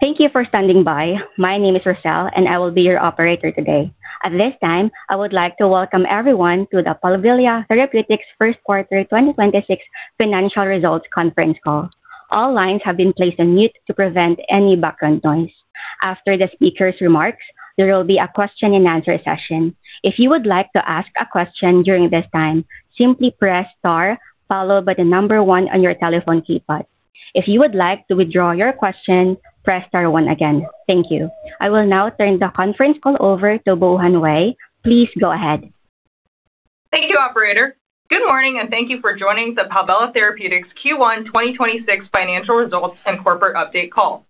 Thank you for standing by. My name is Rochelle, and I will be your operator today. At this time, I would like to welcome everyone to the Palvella Therapeutics first quarter 2026 financial results conference call. All lines have been placed on mute to prevent any background noise. After the speaker's remarks, there will be a question-and-answer session. If you would like to ask a question during this time, simply press star followed by the number one on your telephone keypad. If you would like to withdraw your question, press star one again. Thank you. I will now turn the conference call over to Bohan Wei. Please go ahead. Thank you, operator. Good morning, and thank you for joining the Palvella Therapeutics Q1 2026 financial results and corporate update call.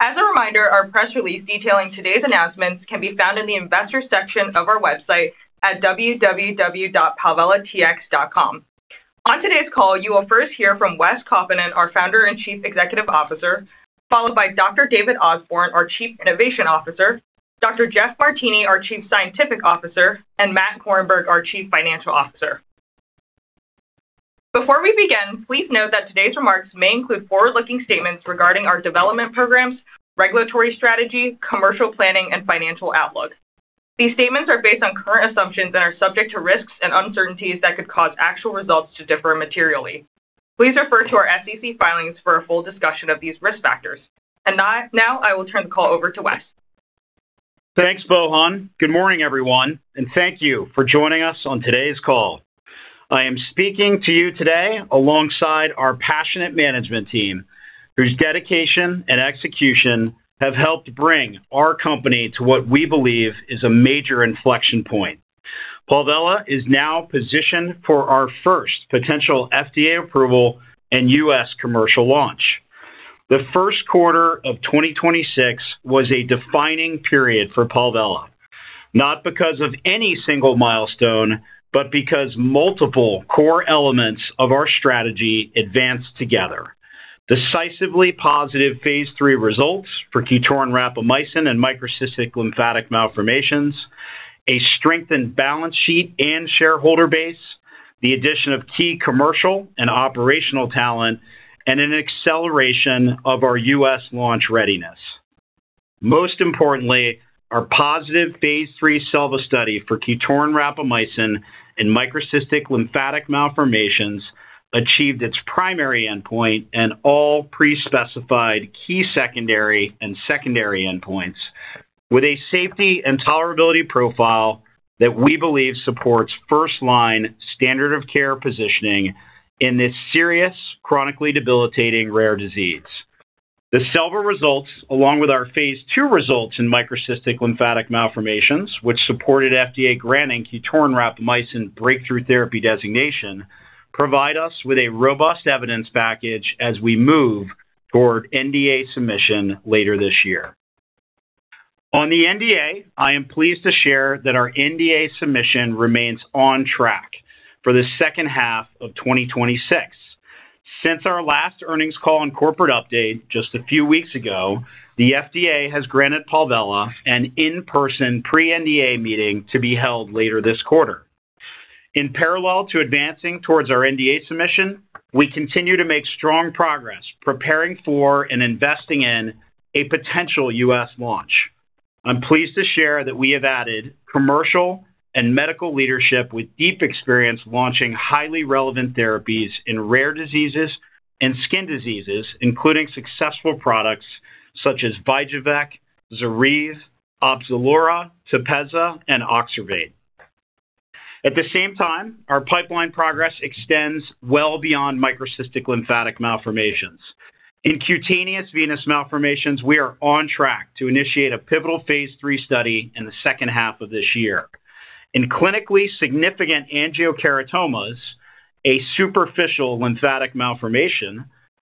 As a reminder, our press release detailing today's announcements can be found in the investor section of our website at www.palvellatx.com. On today's call, you will first hear from Wes Kaupinen, our Founder and Chief Executive Officer, followed by Dr. David Osborne, our Chief Innovation Officer, Dr. Jeff Martini, our Chief Scientific Officer, and Matt Korenberg, our Chief Financial Officer. Before we begin, please note that today's remarks may include forward-looking statements regarding our development programs, regulatory strategy, commercial planning, and financial outlook. These statements are based on current assumptions and are subject to risks and uncertainties that could cause actual results to differ materially. Please refer to our SEC filings for a full discussion of these risk factors. Now, I will turn the call over to Wes. Thanks, Bohan. Good morning, everyone, and thank you for joining us on today's call. I am speaking to you today alongside our passionate management team, whose dedication and execution have helped bring our company to what we believe is a major inflection point. Palvella is now positioned for our first potential FDA approval and U.S. commercial launch. The first quarter of 2026 was a defining period for Palvella, not because of any single milestone, but because multiple core elements of our strategy advanced together. Decisively positive phase III results for QTORIN rapamycin and Microcystic Lymphatic Malformations, a strengthened balance sheet and shareholder base, the addition of key commercial and operational talent, and an acceleration of our U.S. launch readiness. Most importantly, our positive phase III SELVA study for QTORIN rapamycin in Microcystic Lymphatic Malformations achieved its primary endpoint and all pre-specified key secondary and secondary endpoints with a safety and tolerability profile that we believe supports first-line standard of care positioning in this serious, chronically debilitating rare disease. The SELVA results, along with our phase II results in Microcystic Lymphatic Malformations, which supported FDA granting QTORIN rapamycin Breakthrough Therapy Designation, provide us with a robust evidence package as we move toward NDA submission later this year. On the NDA, I am pleased to share that our NDA submission remains on track for the second half of 2026. Since our last earnings call and corporate update just a few weeks ago, the FDA has granted Palvella an in-person pre-NDA meeting to be held later this quarter. In parallel to advancing towards our NDA submission, we continue to make strong progress preparing for and investing in a potential U.S. launch. I'm pleased to share that we have added commercial and medical leadership with deep experience launching highly relevant therapies in rare diseases and skin diseases, including successful products such as VYJUVEK, ZORYVE, OPZELURA, TEPEZZA, and OXERVATE. At the same time, our pipeline progress extends well beyond Microcystic Lymphatic Malformations. In cutaneous venous malformations, we are on track to initiate a pivotal phase III study in the second half of this year. In clinically significant angiokeratomas, a superficial lymphatic malformation,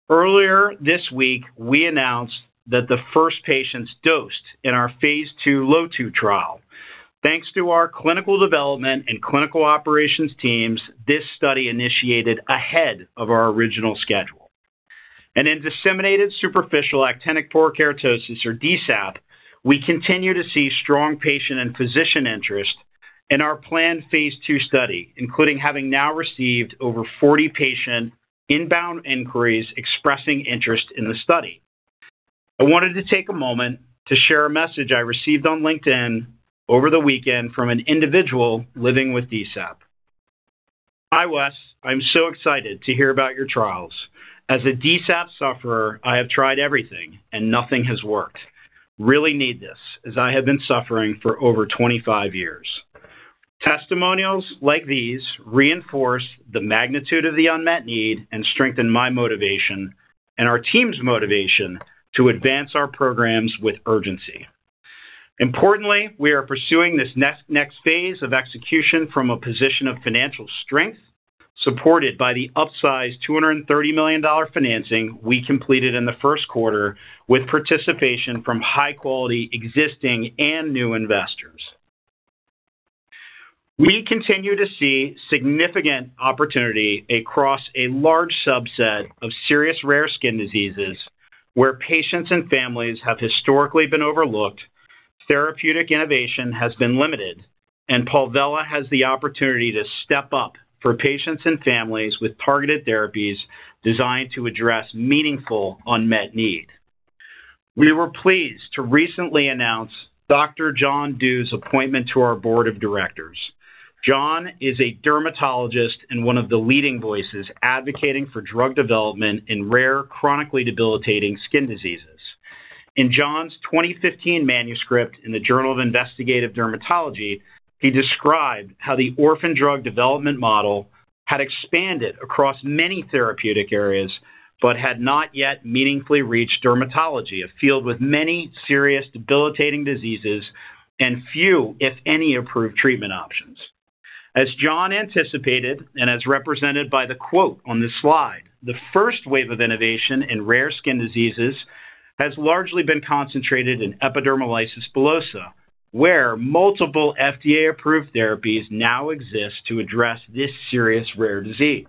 earlier this week, we announced that the first patients dosed in our phase II LOTU trial. Thanks to our clinical development and clinical operations teams, this study initiated ahead of our original schedule. In disseminated superficial actinic porokeratosis, or DSAP, we continue to see strong patient and physician interest in our planned phase II study, including having now received over 40 patient inbound inquiries expressing interest in the study. I wanted to take a moment to share a message I received on LinkedIn over the weekend from an individual living with DSAP. "Hi, Wes. I'm so excited to hear about your trials. As a DSAP sufferer, I have tried everything and nothing has worked. Really need this as I have been suffering for over 25 years." Testimonials like these reinforce the magnitude of the unmet need and strengthen my motivation and our team's motivation to advance our programs with urgency. Importantly, we are pursuing this next phase of execution from a position of financial strength, supported by the upsized $230 million financing we completed in the first quarter with participation from high-quality existing and new investors. We continue to see significant opportunity across a large subset of serious rare skin diseases where patients and families have historically been overlooked. Therapeutic innovation has been limited, Palvella has the opportunity to step up for patients and families with targeted therapies designed to address meaningful unmet need. We were pleased to recently announce Dr. John Doux's appointment to our Board of Directors. John is a dermatologist and one of the leading voices advocating for drug development in rare, chronically debilitating skin diseases. In John's 2015 manuscript in the Journal of Investigative Dermatology, he described how the orphan drug development model had expanded across many therapeutic areas, but had not yet meaningfully reached dermatology, a field with many serious debilitating diseases and few, if any, approved treatment options. As John anticipated, and as represented by the quote on this slide, the first wave of innovation in rare skin diseases has largely been concentrated in epidermolysis bullosa, where multiple FDA-approved therapies now exist to address this serious rare disease.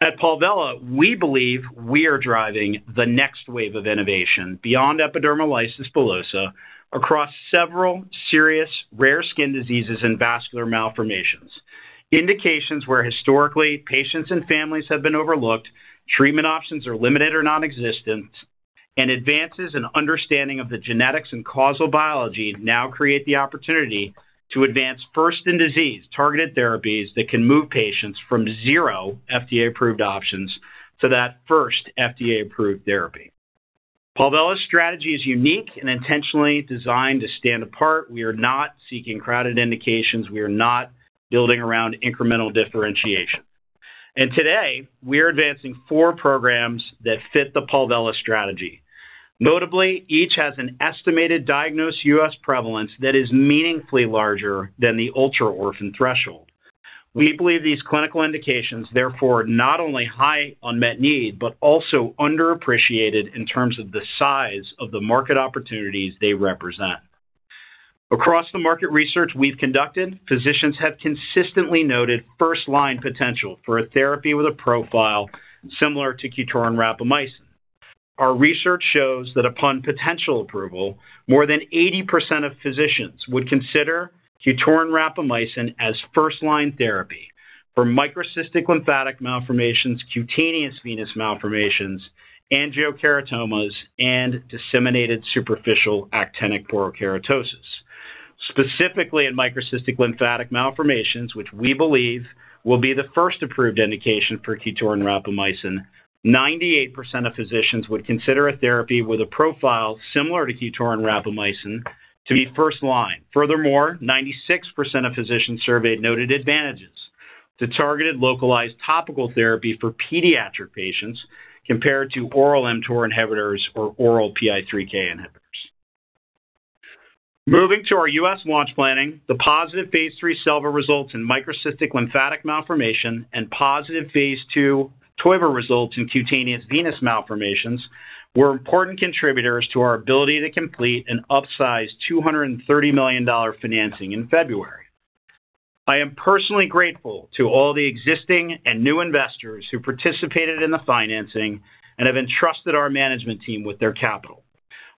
At Palvella, we believe we are driving the next wave of innovation beyond epidermolysis bullosa across several serious rare skin diseases and vascular malformations. Indications where historically patients and families have been overlooked, treatment options are limited or non-existent, and advances in understanding of the genetics and causal biology now create the opportunity to advance first-in-disease targeted therapies that can move patients from zero FDA-approved options to that first FDA-approved therapy. Palvella's strategy is unique and intentionally designed to stand apart. We are not seeking crowded indications. We are not building around incremental differentiation. Today, we are advancing four programs that fit the Palvella strategy. Notably, each has an estimated diagnosed U.S. prevalence that is meaningfully larger than the ultra-orphan threshold. We believe these clinical indications therefore not only high unmet need, but also underappreciated in terms of the size of the market opportunities they represent. Across the market research we've conducted, physicians have consistently noted 1st-line potential for a therapy with a profile similar to QTORIN rapamycin. Our research shows that upon potential approval, more than 80% of physicians would consider QTORIN rapamycin as first-line therapy for Microcystic Lymphatic Malformations, cutaneous venous malformations, angiokeratomas, and disseminated superficial actinic porokeratosis. Specifically in Microcystic Lymphatic Malformations, which we believe will be the first approved indication for QTORIN rapamycin, 98% of physicians would consider a therapy with a profile similar to QTORIN rapamycin to be first-line. Furthermore, 96% of physicians surveyed noted advantages to targeted localized topical therapy for pediatric patients compared to oral mTOR inhibitors or oral PI3K inhibitors. Moving to our U.S. launch planning, the positive phase III SELVA results in microcystic lymphatic malformation and positive phase II TOIVA results in cutaneous venous malformations were important contributors to our ability to complete an upsized $230 million financing in February. I am personally grateful to all the existing and new investors who participated in the financing and have entrusted our management team with their capital.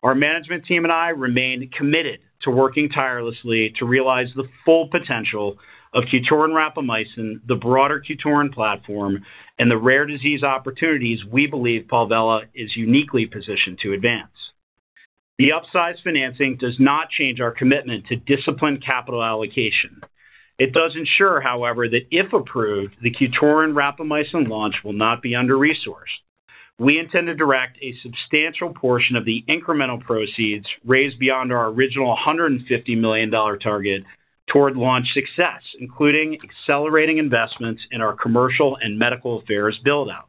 Our management team and I remain committed to working tirelessly to realize the full potential of QTORIN rapamycin, the broader QTORIN platform, and the rare disease opportunities we believe Palvella is uniquely positioned to advance. The upsized financing does not change our commitment to disciplined capital allocation. It does ensure, however, that if approved, the QTORIN rapamycin launch will not be under-resourced. We intend to direct a substantial portion of the incremental proceeds raised beyond our original $150 million target toward launch success, including accelerating investments in our commercial and medical affairs build-out.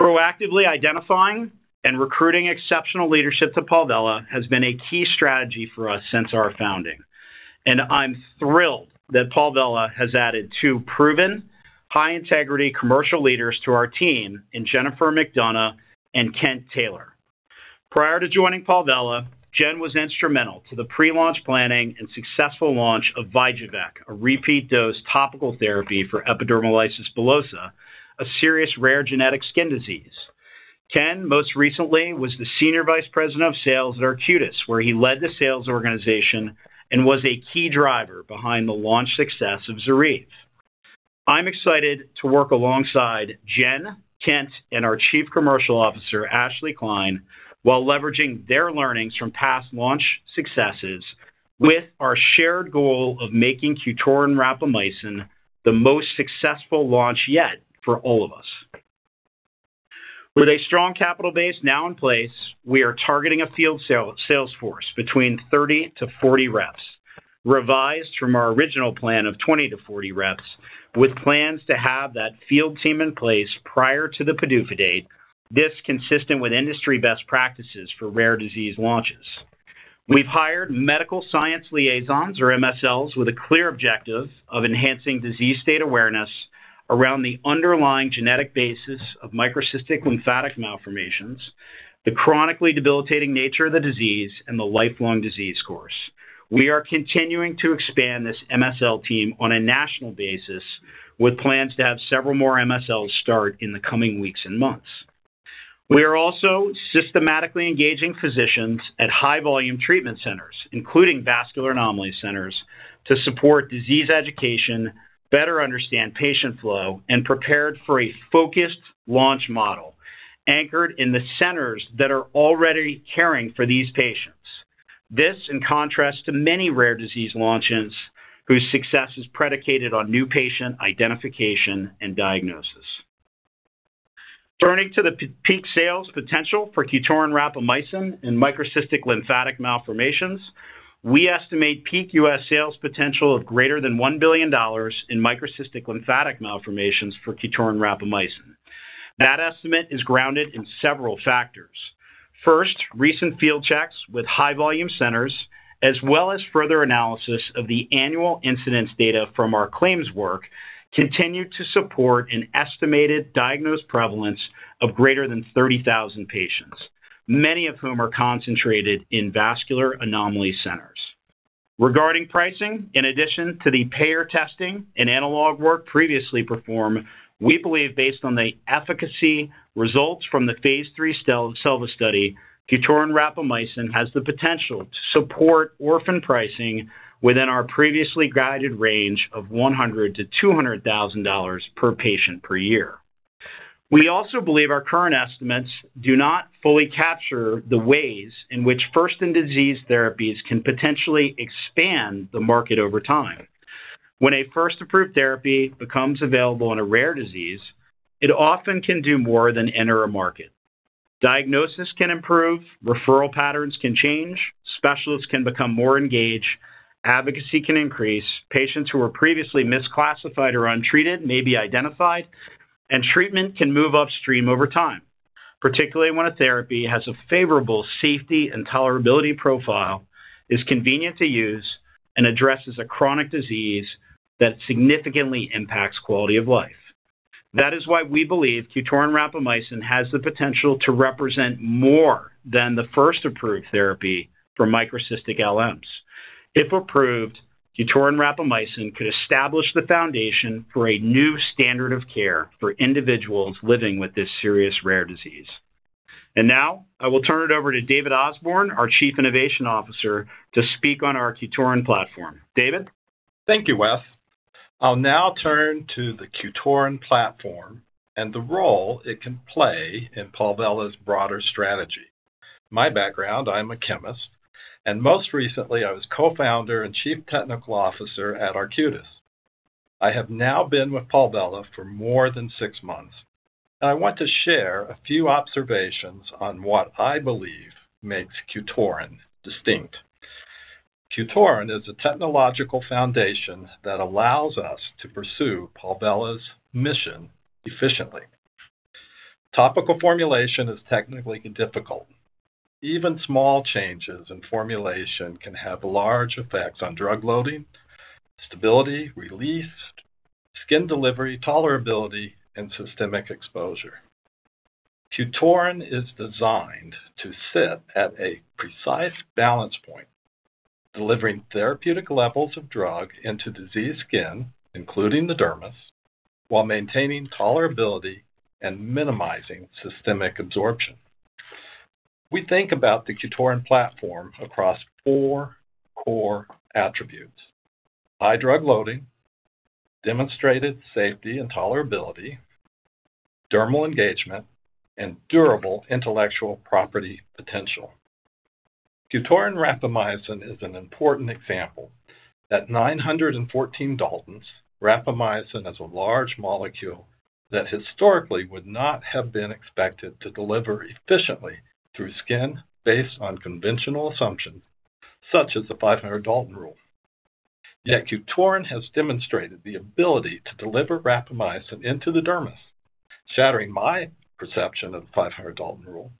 Proactively identifying and recruiting exceptional leadership to Palvella has been a key strategy for us since our founding, and I'm thrilled that Palvella has added two proven, high-integrity commercial leaders to our team in Jennifer McDonough and Kent Taylor. Prior to joining Palvella, Jen was instrumental to the pre-launch planning and successful launch of VYJUVEK, a repeat-dose topical therapy for epidermolysis bullosa, a serious rare genetic skin disease. Kent, most recently, was the Senior Vice President of Sales at Arcutis, where he led the sales organization and was a key driver behind the launch success of ZORYVE. I'm excited to work alongside Jen, Kent, and our Chief Commercial Officer, Ashley Kline, while leveraging their learnings from past launch successes with our shared goal of making QTORIN rapamycin the most successful launch yet for all of us. With a strong capital base now in place, we are targeting a field sales force between 30-40 reps, revised from our original plan of 20-40 reps, with plans to have that field team in place prior to the PDUFA date, this consistent with industry best practices for rare disease launches. We've hired Medical Science Liaisons, or MSLs, with a clear objective of enhancing disease state awareness around the underlying genetic basis of Microcystic Lymphatic Malformations, the chronically debilitating nature of the disease, and the lifelong disease course. We are continuing to expand this MSL team on a national basis with plans to have several more MSLs start in the coming weeks and months. We are also systematically engaging physicians at high volume treatment centers, including vascular anomaly centers, to support disease education, better understand patient flow, and prepared for a focused launch model anchored in the centers that are already caring for these patients. This, in contrast to many rare disease launches whose success is predicated on new patient identification and diagnosis. Turning to the peak sales potential for QTORIN rapamycin in Microcystic Lymphatic Malformations, we estimate peak U.S. sales potential of greater than $1 billion in Microcystic Lymphatic Malformations for QTORIN rapamycin. That estimate is grounded in several factors. First, recent field checks with high volume centers, as well as further analysis of the annual incidence data from our claims work, continue to support an estimated diagnosed prevalence of greater than 30,000 patients, many of whom are concentrated in vascular anomaly centers. Regarding pricing, in addition to the payer testing and analog work previously performed, we believe based on the efficacy results from the phase III SELVA study, QTORIN rapamycin has the potential to support orphan pricing within our previously guided range of $100,000-$200,000 per patient per year. We also believe our current estimates do not fully capture the ways in which first-in-disease therapies can potentially expand the market over time. When a first-approved therapy becomes available in a rare disease, it often can do more than enter a market. Diagnosis can improve, referral patterns can change, specialists can become more engaged, advocacy can increase, patients who were previously misclassified or untreated may be identified, and treatment can move upstream over time, particularly when a therapy has a favorable safety and tolerability profile, is convenient to use, and addresses a chronic disease that significantly impacts quality of life. That is why we believe QTORIN rapamycin has the potential to represent more than the first-approved therapy for microcystic LMs. If approved, QTORIN rapamycin could establish the foundation for a new standard of care for individuals living with this serious rare disease. Now, I will turn it over to David Osborne, our Chief Innovation Officer, to speak on our QTORIN platform. David? Thank you, Wes. I'll now turn to the QTORIN platform and the role it can play in Palvella's broader strategy. Most recently I was Co-founder and Chief Technical Officer at Arcutis. I have now been with Palvella for more than six months. I want to share a few observations on what I believe makes QTORIN distinct. QTORIN is a technological foundation that allows us to pursue Palvella's mission efficiently. Topical formulation is technically difficult. Even small changes in formulation can have large effects on drug loading, stability, release, skin delivery, tolerability, and systemic exposure. QTORIN is designed to sit at a precise balance point, delivering therapeutic levels of drug into diseased skin, including the dermis, while maintaining tolerability and minimizing systemic absorption. We think about the QTORIN platform across four core attributes, high drug loading, demonstrated safety and tolerability, dermal engagement, and durable intellectual property potential. QTORIN rapamycin is an important example. At 914 Daltons, rapamycin is a large molecule that historically would not have been expected to deliver efficiently through skin based on conventional assumptions, such as the 500 Dalton rule. QTORIN has demonstrated the ability to deliver rapamycin into the dermis, shattering my perception of the 500 Dalton rule,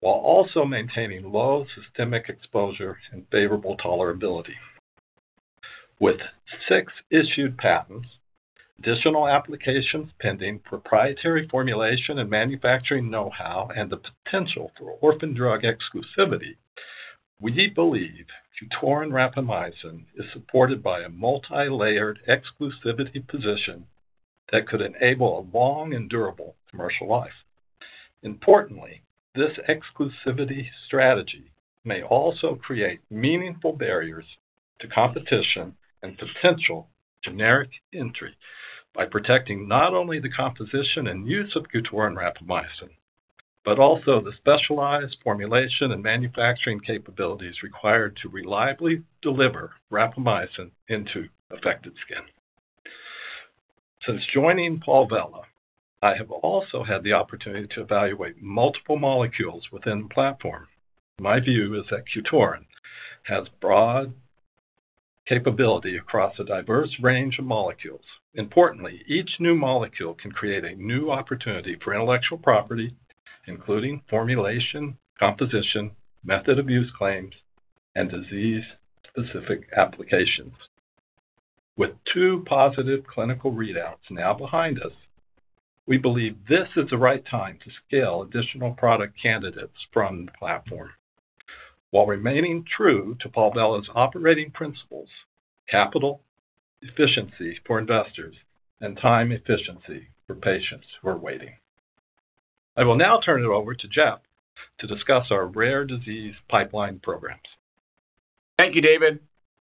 while also maintaining low systemic exposure and favorable tolerability. With six issued patents, additional applications pending, proprietary formulation and manufacturing know-how, and the potential for orphan drug exclusivity, we believe QTORIN rapamycin is supported by a multi-layered exclusivity position that could enable a long and durable commercial life. Importantly, this exclusivity strategy may also create meaningful barriers to competition and potential generic entry by protecting not only the composition and use of QTORIN rapamycin, but also the specialized formulation and manufacturing capabilities required to reliably deliver rapamycin into affected skin. Since joining Palvella, I have also had the opportunity to evaluate multiple molecules within the platform. My view is that QTORIN has broad capability across a diverse range of molecules. Importantly, each new molecule can create a new opportunity for intellectual property, including formulation, composition, method of use claims, and disease-specific applications. With two positive clinical readouts now behind us, we believe this is the right time to scale additional product candidates from the platform while remaining true to Palvella's operating principles, capital efficiency for investors, and time efficiency for patients who are waiting. I will now turn it over to Jeff to discuss our rare disease pipeline programs. Thank you, David.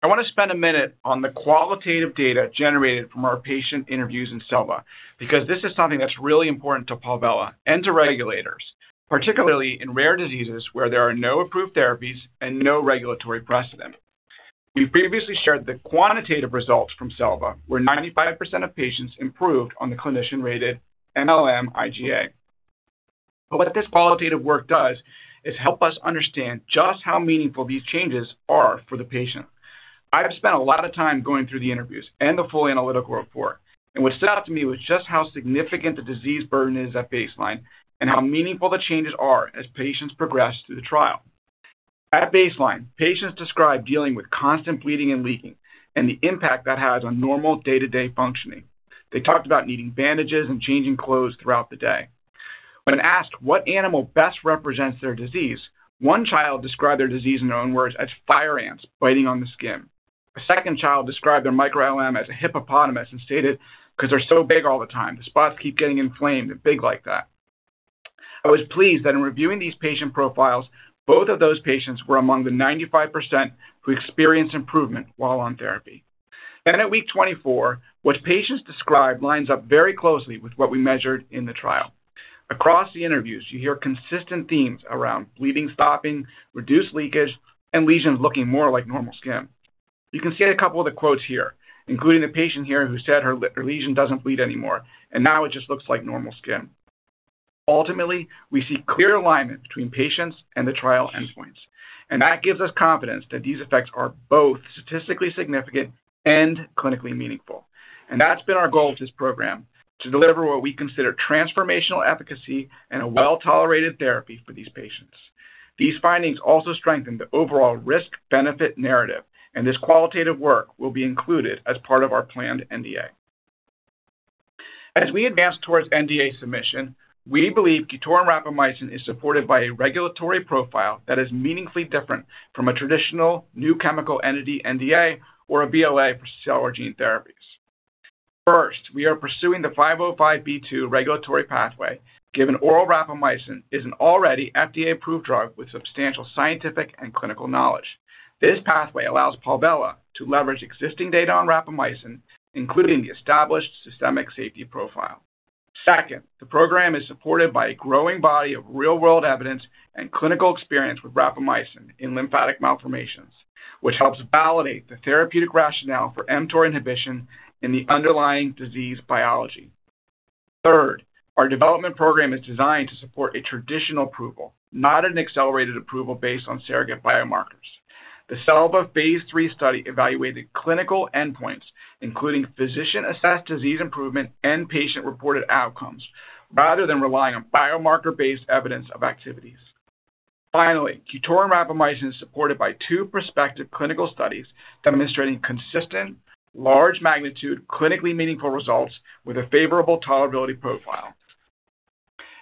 I wanna spend a minute on the qualitative data generated from our patient interviews in SELVA, because this is something that's really important to Palvella, and to regulators, particularly in rare diseases where there are no approved therapies and no regulatory precedent. We previously shared the quantitative results from SELVA, where 95% of patients improved on the clinician-rated mLM-IGA. What this qualitative work does is help us understand just how meaningful these changes are for the patient. I have spent a lot of time going through the interviews and the full analytical report, and what stood out to me was just how significant the disease burden is at baseline and how meaningful the changes are as patients progress through the trial. At baseline, patients describe dealing with constant bleeding and leaking and the impact that has on normal day-to-day functioning. They talked about needing bandages and changing clothes throughout the day. When asked what animal best represents their disease, one child described their disease, in her own words, as fire ants biting on the skin. A second child described their microLM as a hippopotamus and stated, "'Cause they're so big all the time. The spots keep getting inflamed and big like that." I was pleased that in reviewing these patient profiles, both of those patients were among the 95% who experienced improvement while on therapy. At week 24, what patients describe lines up very closely with what we measured in the trial. Across the interviews, you hear consistent themes around bleeding stopping, reduced leakage, and lesions looking more like normal skin. You can see a couple of the quotes here, including the patient here who said her lesion doesn't bleed anymore, and now it just looks like normal skin. Ultimately, we see clear alignment between patients and the trial endpoints, that gives us confidence that these effects are both statistically significant and clinically meaningful. That's been our goal with this program, to deliver what we consider transformational efficacy and a well-tolerated therapy for these patients. These findings also strengthen the overall risk-benefit narrative, this qualitative work will be included as part of our planned NDA. As we advance towards NDA submission, we believe QTORIN rapamycin is supported by a regulatory profile that is meaningfully different from a traditional new chemical entity NDA or a BLA for cell or gene therapies. We are pursuing the 505(b)(2) regulatory pathway, given oral rapamycin is an already FDA-approved drug with substantial scientific and clinical knowledge. This pathway allows Palvella to leverage existing data on rapamycin, including the established systemic safety profile. The program is supported by a growing body of real-world evidence and clinical experience with rapamycin in lymphatic malformations, which helps validate the therapeutic rationale for mTOR inhibition in the underlying disease biology. Our development program is designed to support a traditional approval, not an accelerated approval based on surrogate biomarkers. The SELVA phase III study evaluated clinical endpoints, including physician-assessed disease improvement and patient-reported outcomes, rather than relying on biomarker-based evidence of activities. QTORIN rapamycin is supported by two prospective clinical studies demonstrating consistent, large magnitude, clinically meaningful results with a favorable tolerability profile.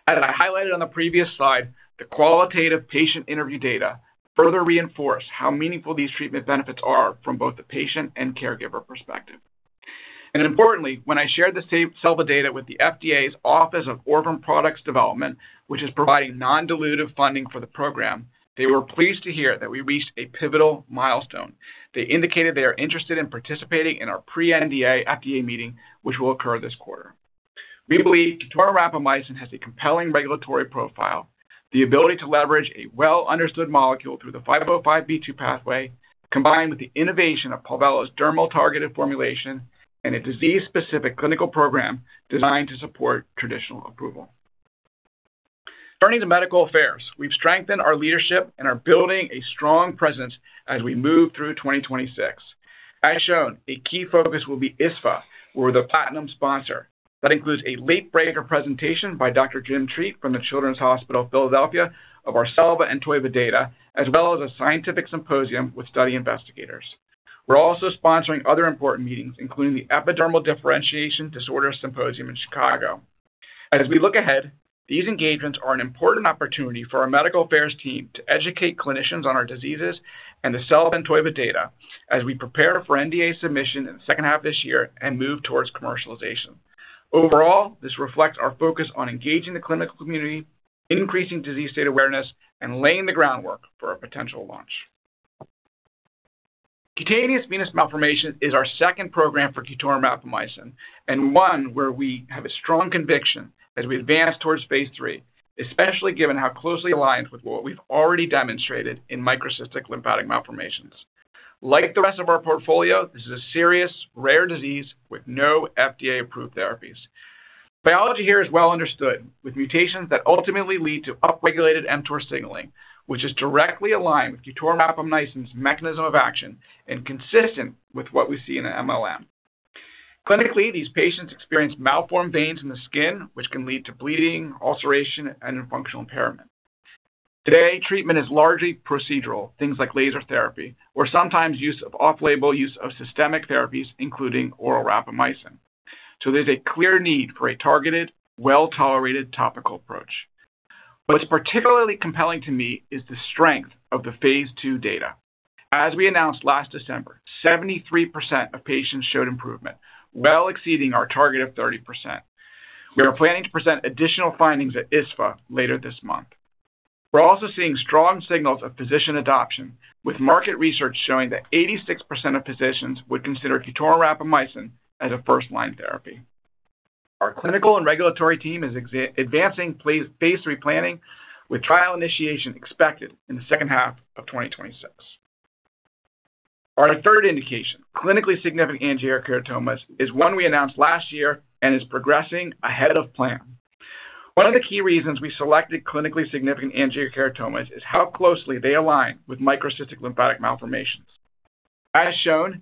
As I highlighted on the previous slide, the qualitative patient interview data further reinforce how meaningful these treatment benefits are from both the patient and caregiver perspective. Importantly, when I shared the SELVA data with the FDA's Office of Orphan Products Development, which is providing non-dilutive funding for the program, they were pleased to hear that we reached a pivotal milestone. They indicated they are interested in participating in our pre-NDA FDA meeting, which will occur this quarter. We believe QTORIN rapamycin has a compelling regulatory profile, the ability to leverage a well-understood molecule through the 505(b)(2) pathway, combined with the innovation of Palvella's dermal-targeted formulation and a disease-specific clinical program designed to support traditional approval. Turning to medical affairs. We've strengthened our leadership and are building a strong presence as we move through 2026. As shown, a key focus will be ISSVA, where we're the platinum sponsor. That includes a late breaker presentation by Dr. Jim Treat from the Children's Hospital of Philadelphia of our SELVA and TOIVA data, as well as a scientific symposium with study investigators. We're also sponsoring other important meetings, including the Epidermal Differentiation Disorders Symposium in Chicago. As we look ahead, these engagements are an important opportunity for our medical affairs team to educate clinicians on our diseases and the SELVA and TOIVA data as we prepare for NDA submission in the second half of this year and move towards commercialization. Overall, this reflects our focus on engaging the clinical community, increasing disease state awareness, and laying the groundwork for a potential launch. Cutaneous venous malformation is our second program for QTORIN rapamycin, and one where we have a strong conviction as we advance towards phase III, especially given how closely aligned with what we've already demonstrated in Microcystic Lymphatic Malformations. Like the rest of our portfolio, this is a serious rare disease with no FDA-approved therapies. Biology here is well understood, with mutations that ultimately lead to upregulated mTOR signaling, which is directly aligned with QTORIN rapamycin's mechanism of action and consistent with what we see in the mLM. Clinically, these patients experience malformed veins in the skin, which can lead to bleeding, ulceration, and functional impairment. Today, treatment is largely procedural, things like laser therapy, or sometimes use of off-label use of systemic therapies, including oral rapamycin. There's a clear need for a targeted, well-tolerated topical approach. What's particularly compelling to me is the strength of the phase II data. As we announced last December, 73% of patients showed improvement, well exceeding our target of 30%. We are planning to present additional findings at ISSVA later this month. We're also seeing strong signals of physician adoption, with market research showing that 86% of physicians would consider QTORIN rapamycin as a first-line therapy. Our clinical and regulatory team is advancing phase III planning, with trial initiation expected in the second half of 2026. Our third indication, clinically significant angiokeratomas, is one we announced last year and is progressing ahead of plan. One of the key reasons we selected clinically significant angiokeratomas is how closely they align with Microcystic Lymphatic Malformations. From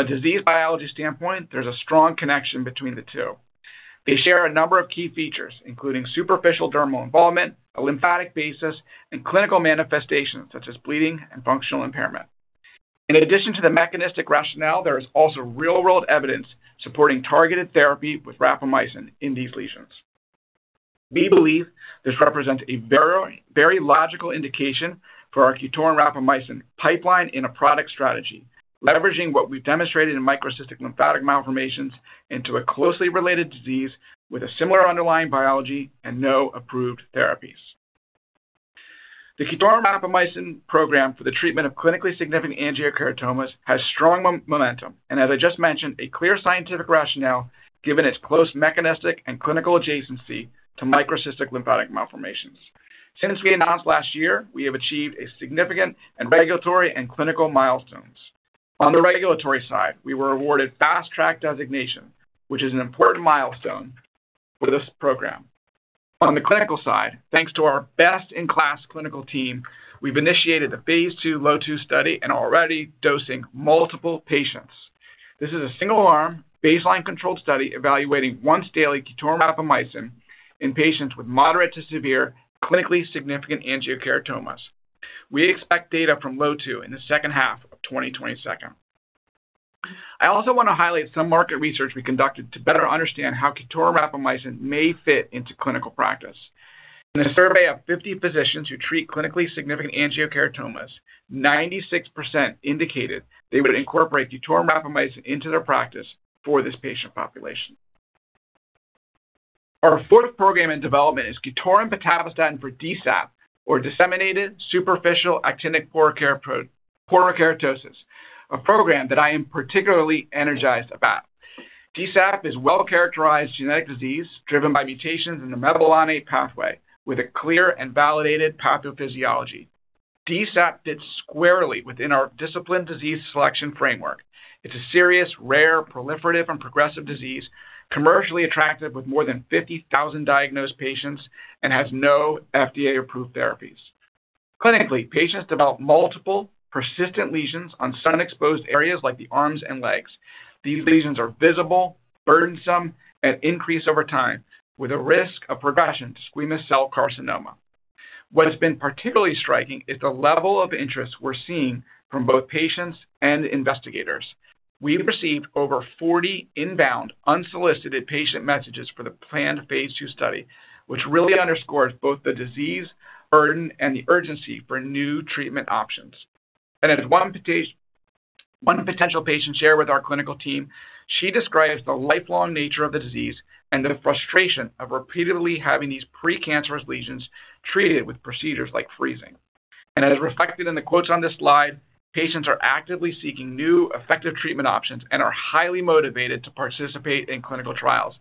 a disease biology standpoint, there's a strong connection between the two. They share a number of key features, including superficial dermal involvement, a lymphatic basis, and clinical manifestations such as bleeding and functional impairment. In addition to the mechanistic rationale, there is also real-world evidence supporting targeted therapy with rapamycin in these lesions. We believe this represents a very, very logical indication for our QTORIN rapamycin pipeline in a product strategy, leveraging what we've demonstrated in Microcystic Lymphatic Malformations into a closely related disease with a similar underlying biology and no approved therapies. The QTORIN rapamycin program for the treatment of clinically significant angiokeratomas has strong momentum, and as I just mentioned, a clear scientific rationale given its close mechanistic and clinical adjacency to Microcystic Lymphatic Malformations. Since we announced last year, we have achieved a significant and regulatory and clinical milestones. On the regulatory side, we were awarded Fast Track Designation, which is an important milestone for this program. On the clinical side, thanks to our best-in-class clinical team, we've initiated the phase II LOTU study and already dosing multiple patients. This is a single-arm, baseline-controlled study evaluating once-daily QTORIN rapamycin in patients with moderate to severe clinically significant angiokeratomas. We expect data from LOTU in the second half of 2027. I also want to highlight some market research we conducted to better understand how QTORIN rapamycin may fit into clinical practice. In a survey of 50 physicians who treat clinically significant angiokeratomas, 96% indicated they would incorporate QTORIN rapamycin into their practice for this patient population. Our fourth program in development is QTORIN pitavastatin for DSAP, or disseminated superficial actinic porokeratosis, a program that I am particularly energized about. DSAP is well-characterized genetic disease driven by mutations in the mevalonate pathway with a clear and validated pathophysiology. DSAP fits squarely within our disciplined disease selection framework. It's a serious, rare, proliferative, and progressive disease, commercially attractive with more than 50,000 diagnosed patients and has no FDA-approved therapies. Clinically, patients develop multiple persistent lesions on sun-exposed areas like the arms and legs. These lesions are visible, burdensome, and increase over time with a risk of progression to squamous cell carcinoma. What has been particularly striking is the level of interest we're seeing from both patients and investigators. We've received over 40 inbound unsolicited patient messages for the planned phase II study, which really underscores both the disease burden and the urgency for new treatment options. As one potential patient shared with our clinical team, she describes the lifelong nature of the disease and the frustration of repeatedly having these precancerous lesions treated with procedures like freezing. As reflected in the quotes on this slide, patients are actively seeking new, effective treatment options and are highly motivated to participate in clinical trials.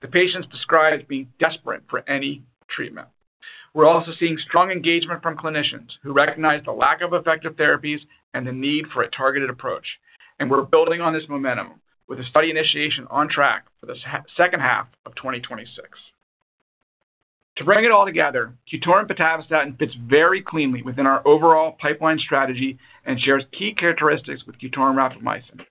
The patients describe being desperate for any treatment. We're also seeing strong engagement from clinicians who recognize the lack of effective therapies and the need for a targeted approach. We're building on this momentum with a study initiation on track for the second half of 2026. To bring it all together, QTORIN pitavastatin fits very cleanly within our overall pipeline strategy and shares key characteristics with QTORIN rapamycin,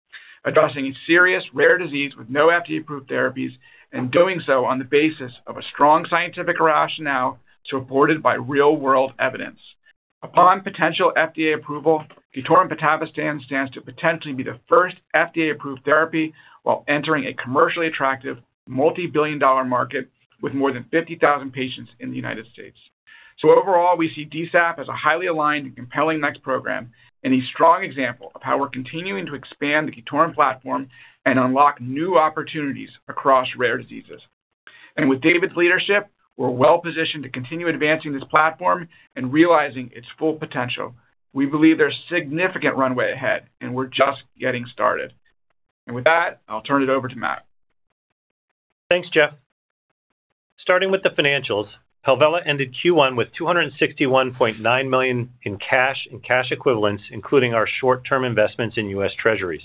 addressing a serious, rare disease with no FDA-approved therapies and doing so on the basis of a strong scientific rationale supported by real-world evidence. Upon potential FDA approval, QTORIN pitavastatin stands to potentially be the first FDA-approved therapy while entering a commercially attractive, multi-billion dollar market with more than 50,000 patients in the United States. Overall, we see DSAP as a highly aligned and compelling next program and a strong example of how we're continuing to expand the QTORIN platform and unlock new opportunities across rare diseases. With David's leadership, we're well-positioned to continue advancing this platform and realizing its full potential. We believe there's significant runway ahead, and we're just getting started. With that, I'll turn it over to Matt. Thanks, Jeff. Starting with the financials, Palvella ended Q1 with $261.9 million in cash and cash equivalents, including our short-term investments in U.S. Treasuries.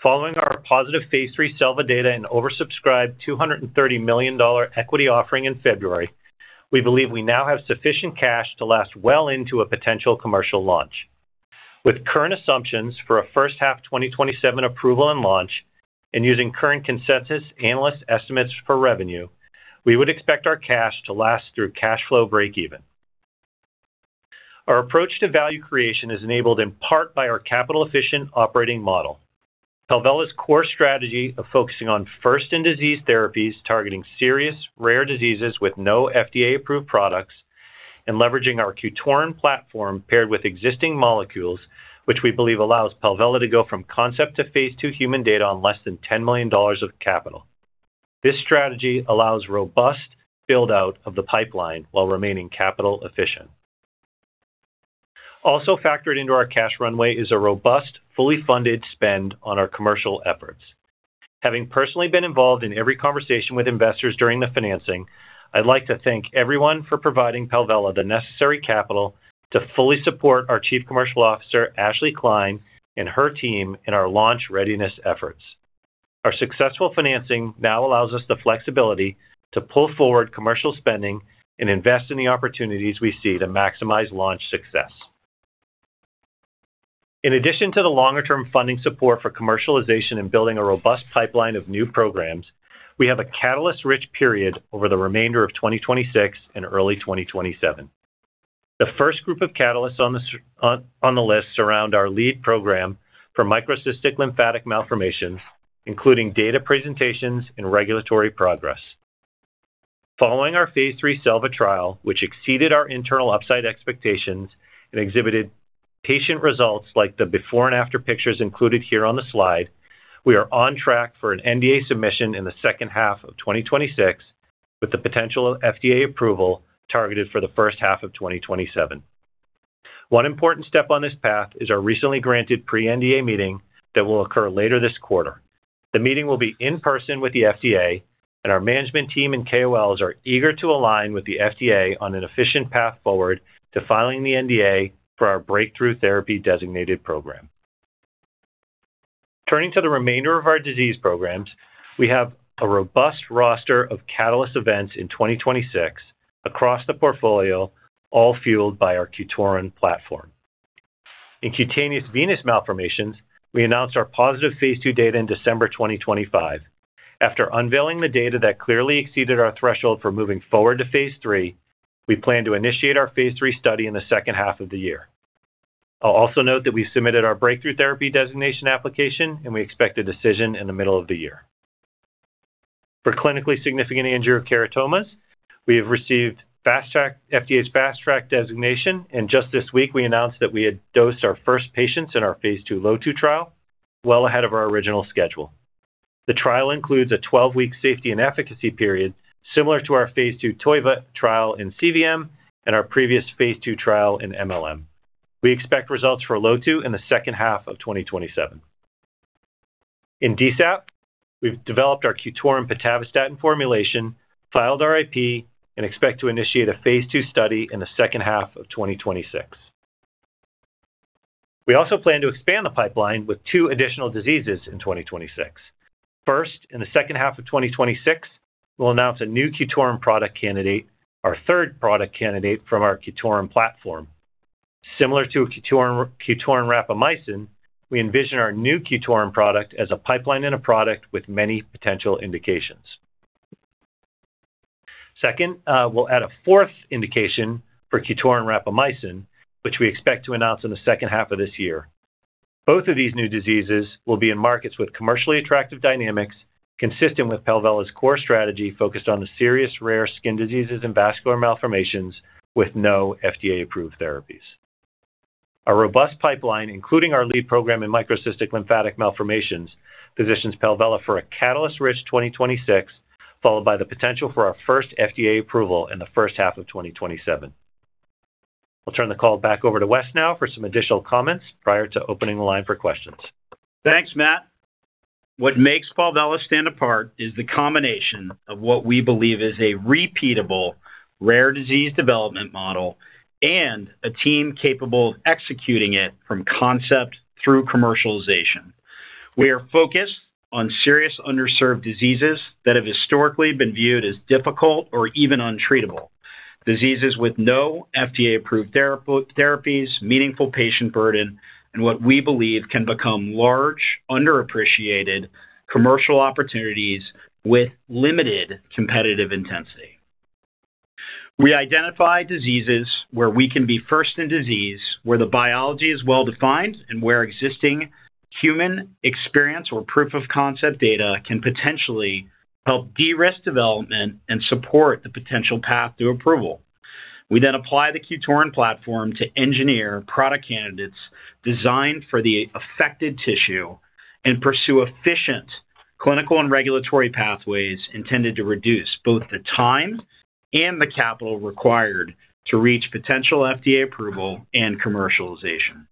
Following our positive phase III SELVA data and oversubscribed $230 million equity offering in February, we believe we now have sufficient cash to last well into a potential commercial launch. With current assumptions for a first half 2027 approval and launch, and using current consensus analyst estimates for revenue, we would expect our cash to last through cash flow break-even. Our approach to value creation is enabled in part by our capital-efficient operating model. Palvella's core strategy of focusing on first-in-disease therapies targeting serious rare diseases with no FDA-approved products, and leveraging our QTORIN platform paired with existing molecules, which we believe allows Palvella to go from concept to phase II human data on less than $10 million of capital. This strategy allows robust build-out of the pipeline while remaining capital efficient. Also factored into our cash runway is a robust, fully funded spend on our commercial efforts. Having personally been involved in every conversation with investors during the financing, I'd like to thank everyone for providing Palvella the necessary capital to fully support our Chief Commercial Officer, Ashley Kline, and her team in our launch readiness efforts. Our successful financing now allows us the flexibility to pull forward commercial spending and invest in the opportunities we see to maximize launch success. In addition to the longer-term funding support for commercialization and building a robust pipeline of new programs, we have a catalyst-rich period over the remainder of 2026 and early 2027. The first group of catalysts on the list surround our lead program for Microcystic Lymphatic Malformations, including data presentations and regulatory progress. Following our phase III SELVA trial, which exceeded our internal upside expectations and exhibited patient results like the before and after pictures included here on the slide, we are on track for an NDA submission in the second half of 2026, with the potential of FDA approval targeted for the first half of 2027. One important step on this path is our recently granted pre-NDA meeting that will occur later this quarter. The meeting will be in person with the FDA. Our management team and KOLs are eager to align with the FDA on an efficient path forward to filing the NDA for our Breakthrough Therapy-designated program. Turning to the remainder of our disease programs, we have a robust roster of catalyst events in 2026 across the portfolio, all fueled by our QTORIN platform. In cutaneous venous malformations, we announced our positive phase II data in December 2025. After unveiling the data that clearly exceeded our threshold for moving forward to phase III, we plan to initiate our phase III study in the second half of the year. I'll also note that we've submitted our Breakthrough Therapy Designation application. We expect a decision in the middle of the year. For clinically significant angiokeratomas, we have received FDA's Fast Track Designation, and just this week we announced that we had dosed our first patients in our phase II LOTU trial well ahead of our original schedule. The trial includes a 12-week safety and efficacy period similar to our phase II TOIVA trial in cVM and our previous phase II trial in mLM. We expect results for LOTU in the second half of 2027. In DSAP, we've developed our QTORIN pitavastatin formulation, filed our IP, and expect to initiate a phase II study in the second half of 2026. We also plan to expand the pipeline with two additional diseases in 2026. First, in the second half of 2026, we'll announce a new QTORIN product candidate, our third product candidate from our QTORIN platform. Similar to a QTORIN rapamycin, we envision our new QTORIN product as a pipeline and a product with many potential indications. Second, we'll add a fourth indication for QTORIN rapamycin, which we expect to announce in the second half of this year. Both of these new diseases will be in markets with commercially attractive dynamics consistent with Palvella's core strategy focused on the serious rare skin diseases and vascular malformations with no FDA-approved therapies. A robust pipeline, including our lead program in Microcystic Lymphatic Malformations, positions Palvella for a catalyst-rich 2026, followed by the potential for our first FDA approval in the first half of 2027. I'll turn the call back over to Wes now for some additional comments prior to opening the line for questions. Thanks, Matt. What makes Palvella stand apart is the combination of what we believe is a repeatable rare disease development model and a team capable of executing it from concept through commercialization. We are focused on serious underserved diseases that have historically been viewed as difficult or even untreatable. Diseases with no FDA-approved therapies, meaningful patient burden, and what we believe can become large, underappreciated commercial opportunities with limited competitive intensity. We identify diseases where we can be first in disease, where the biology is well-defined, and where existing human experience or proof of concept data can potentially help de-risk development and support the potential path to approval. We then apply the QTORIN platform to engineer product candidates designed for the affected tissue and pursue efficient clinical and regulatory pathways intended to reduce both the time and the capital required to reach potential FDA approval and commercialization.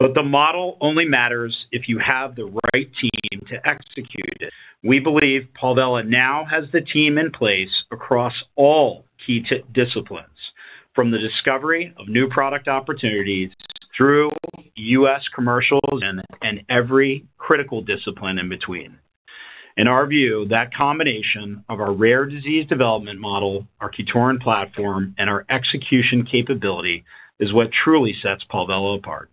The model only matters if you have the right team to execute it. We believe Palvella now has the team in place across all key disciplines, from the discovery of new product opportunities through U.S. commercialization and every critical discipline in between. In our view, that combination of our rare disease development model, our QTORIN platform, and our execution capability is what truly sets Palvella apart.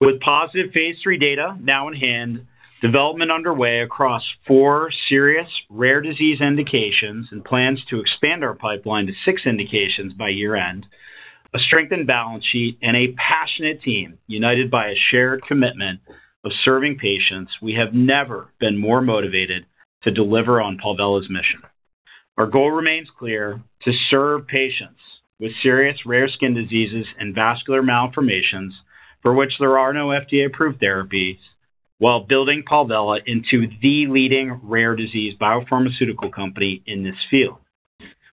With positive phase III data now in hand, development underway across four serious rare disease indications and plans to expand our pipeline to six indications by year-end, a strengthened balance sheet and a passionate team united by a shared commitment of serving patients, we have never been more motivated to deliver on Palvella's mission. Our goal remains clear to serve patients with serious rare skin diseases and vascular malformations for which there are no FDA-approved therapies, while building Palvella into the leading rare disease biopharmaceutical company in this field.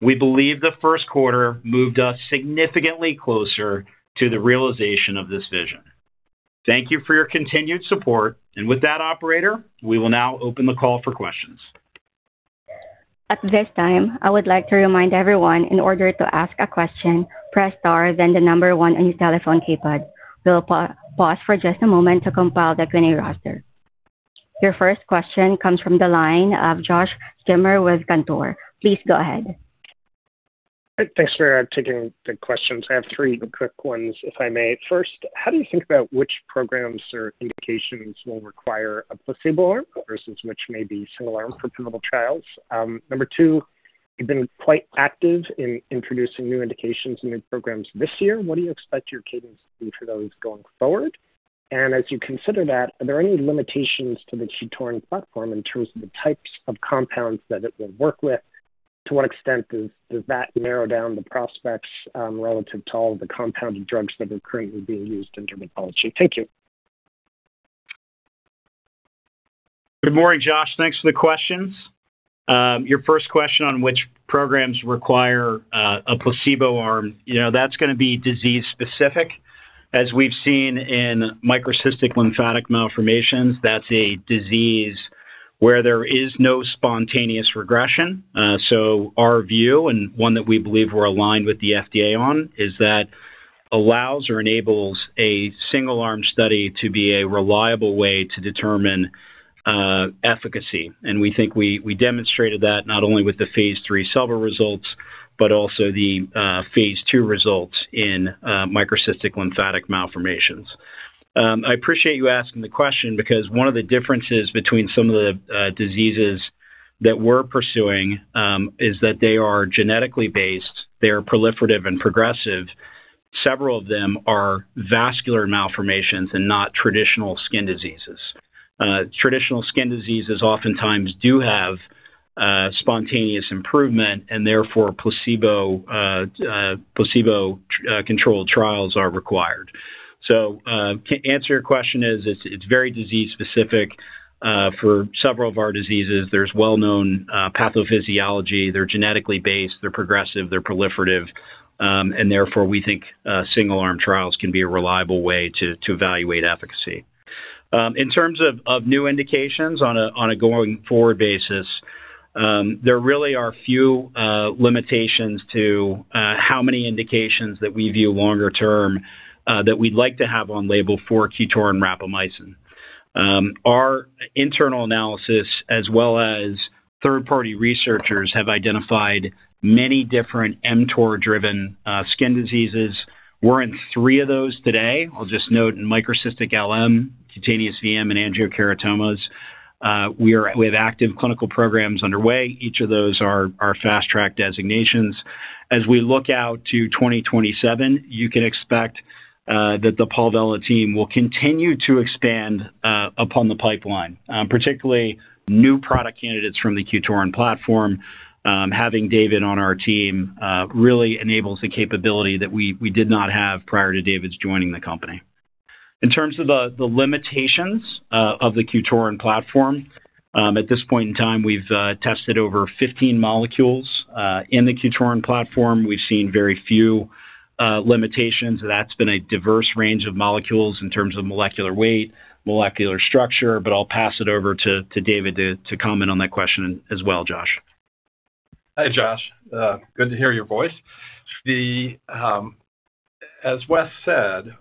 We believe the first quarter moved us significantly closer to the realization of this vision. Thank you for your continued support. With that operator, we will now open the call for questions. At this time, I would like to remind everyone in order to ask a question, press star, then the number one on your telephone keypad. We'll pause for just a moment to compile the Q&A roster. Your first question comes from the line of Josh Schimmer with Cantor. Please go ahead. Thanks for taking the questions. I have three quick ones, if I may. First, how do you think about which programs or indications will require a placebo arm versus which may be similar for clinical trials? Number two, you've been quite active in introducing new indications and new programs this year. What do you expect your cadence to be for those going forward? As you consider that, are there any limitations to the QTORIN platform in terms of the types of compounds that it will work with? To what extent does that narrow down the prospects relative to all of the compounded drugs that are currently being used in dermatology? Thank you. Good morning, Josh. Thanks for the questions. Your first question on which programs require a placebo arm, you know, that's gonna be disease-specific. As we've seen in Microcystic Lymphatic Malformations, that's a disease where there is no spontaneous regression. Our view, and one that we believe we're aligned with the FDA on, is that allows or enables a single-arm study to be a reliable way to determine efficacy. We think we demonstrated that not only with the phase III SELVA results, but also the phase II results in Microcystic Lymphatic Malformations. I appreciate you asking the question because one of the differences between some of the diseases that we're pursuing is that they are genetically based. They are proliferative and progressive. Several of them are vascular malformations and not traditional skin diseases. Traditional skin diseases oftentimes do have spontaneous improvement and therefore placebo controlled trials are required. To answer your question is, it's very disease specific. For several of our diseases, there's well-known pathophysiology. They're genetically based, they're progressive, they're proliferative, and therefore we think single-arm trials can be a reliable way to evaluate efficacy. In terms of new indications on a going forward basis, there really are few limitations to how many indications that we view longer term that we'd like to have on label for QTORIN rapamycin. Our internal analysis as well as third-party researchers have identified many different mTOR-driven skin diseases. We're in three of those today. I'll just note in microcystic LM, cutaneous VM, and angiokeratomas, we have active clinical programs underway. Each of those are Fast Track Designations. As we look out to 2027, you can expect that the Palvella team will continue to expand upon the pipeline, particularly new product candidates from the QTORIN platform. Having David on our team really enables the capability that we did not have prior to David's joining the company. In terms of the limitations of the QTORIN platform, at this point in time, we've tested over 15 molecules in the QTORIN platform. We've seen very few limitations. That's been a diverse range of molecules in terms of molecular weight, molecular structure. I'll pass it over to David to comment on that question as well, Josh. Hi, Josh. Good to hear your voice. As Wes said,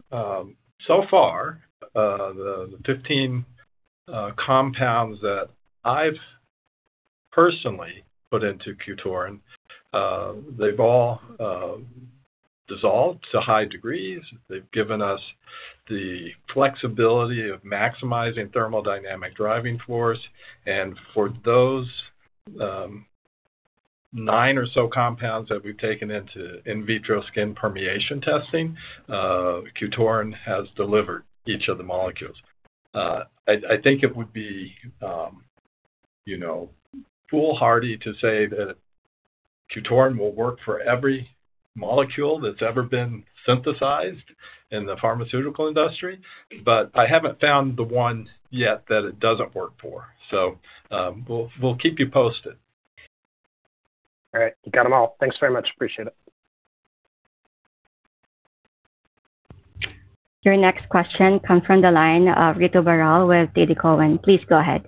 so far, the 15 compounds that I've personally put into QTORIN, they've all dissolved to high degrees. They've given us the flexibility of maximizing thermodynamic driving force. For those nine or so compounds that we've taken into in vitro skin permeation testing, QTORIN has delivered each of the molecules. I think it would be, you know, foolhardy to say that QTORIN will work for every molecule that's ever been synthesized in the pharmaceutical industry, but I haven't found the one yet that it doesn't work for. We'll keep you posted. All right. You got them all. Thanks very much. Appreciate it. Your next question comes from the line of Ritu Baral with TD Cowen. Please go ahead.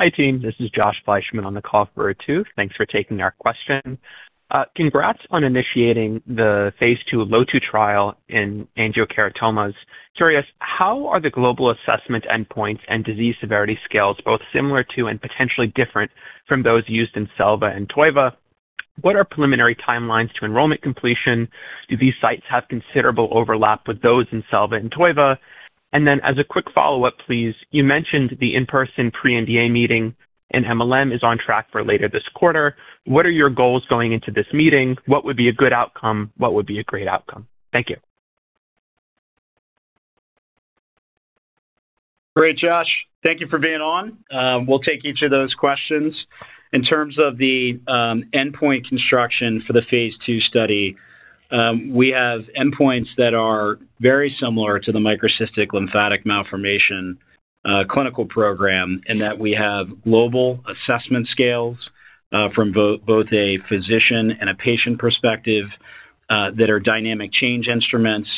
Hi team, this is Josh Fleishman on the call for Ritu. Thanks for taking our question. Congrats on initiating the phase II LOTU trial in angiokeratomas. Curious, how are the global assessment endpoints and disease severity scales both similar to and potentially different from those used in SELVA and TOIVA? What are preliminary timelines to enrollment completion? Do these sites have considerable overlap with those in SELVA and TOIVA? As a quick follow-up, please, you mentioned the in-person pre-NDA meeting and mLM is on track for later this quarter. What are your goals going into this meeting? What would be a good outcome? What would be a great outcome? Thank you. Great, Josh. Thank you for being on. We'll take each of those questions. In terms of the endpoint construction for the phase II study, we have endpoints that are very similar to the microcystic lymphatic malformation clinical program in that we have global assessment scales from both a physician and a patient perspective that are dynamic change instruments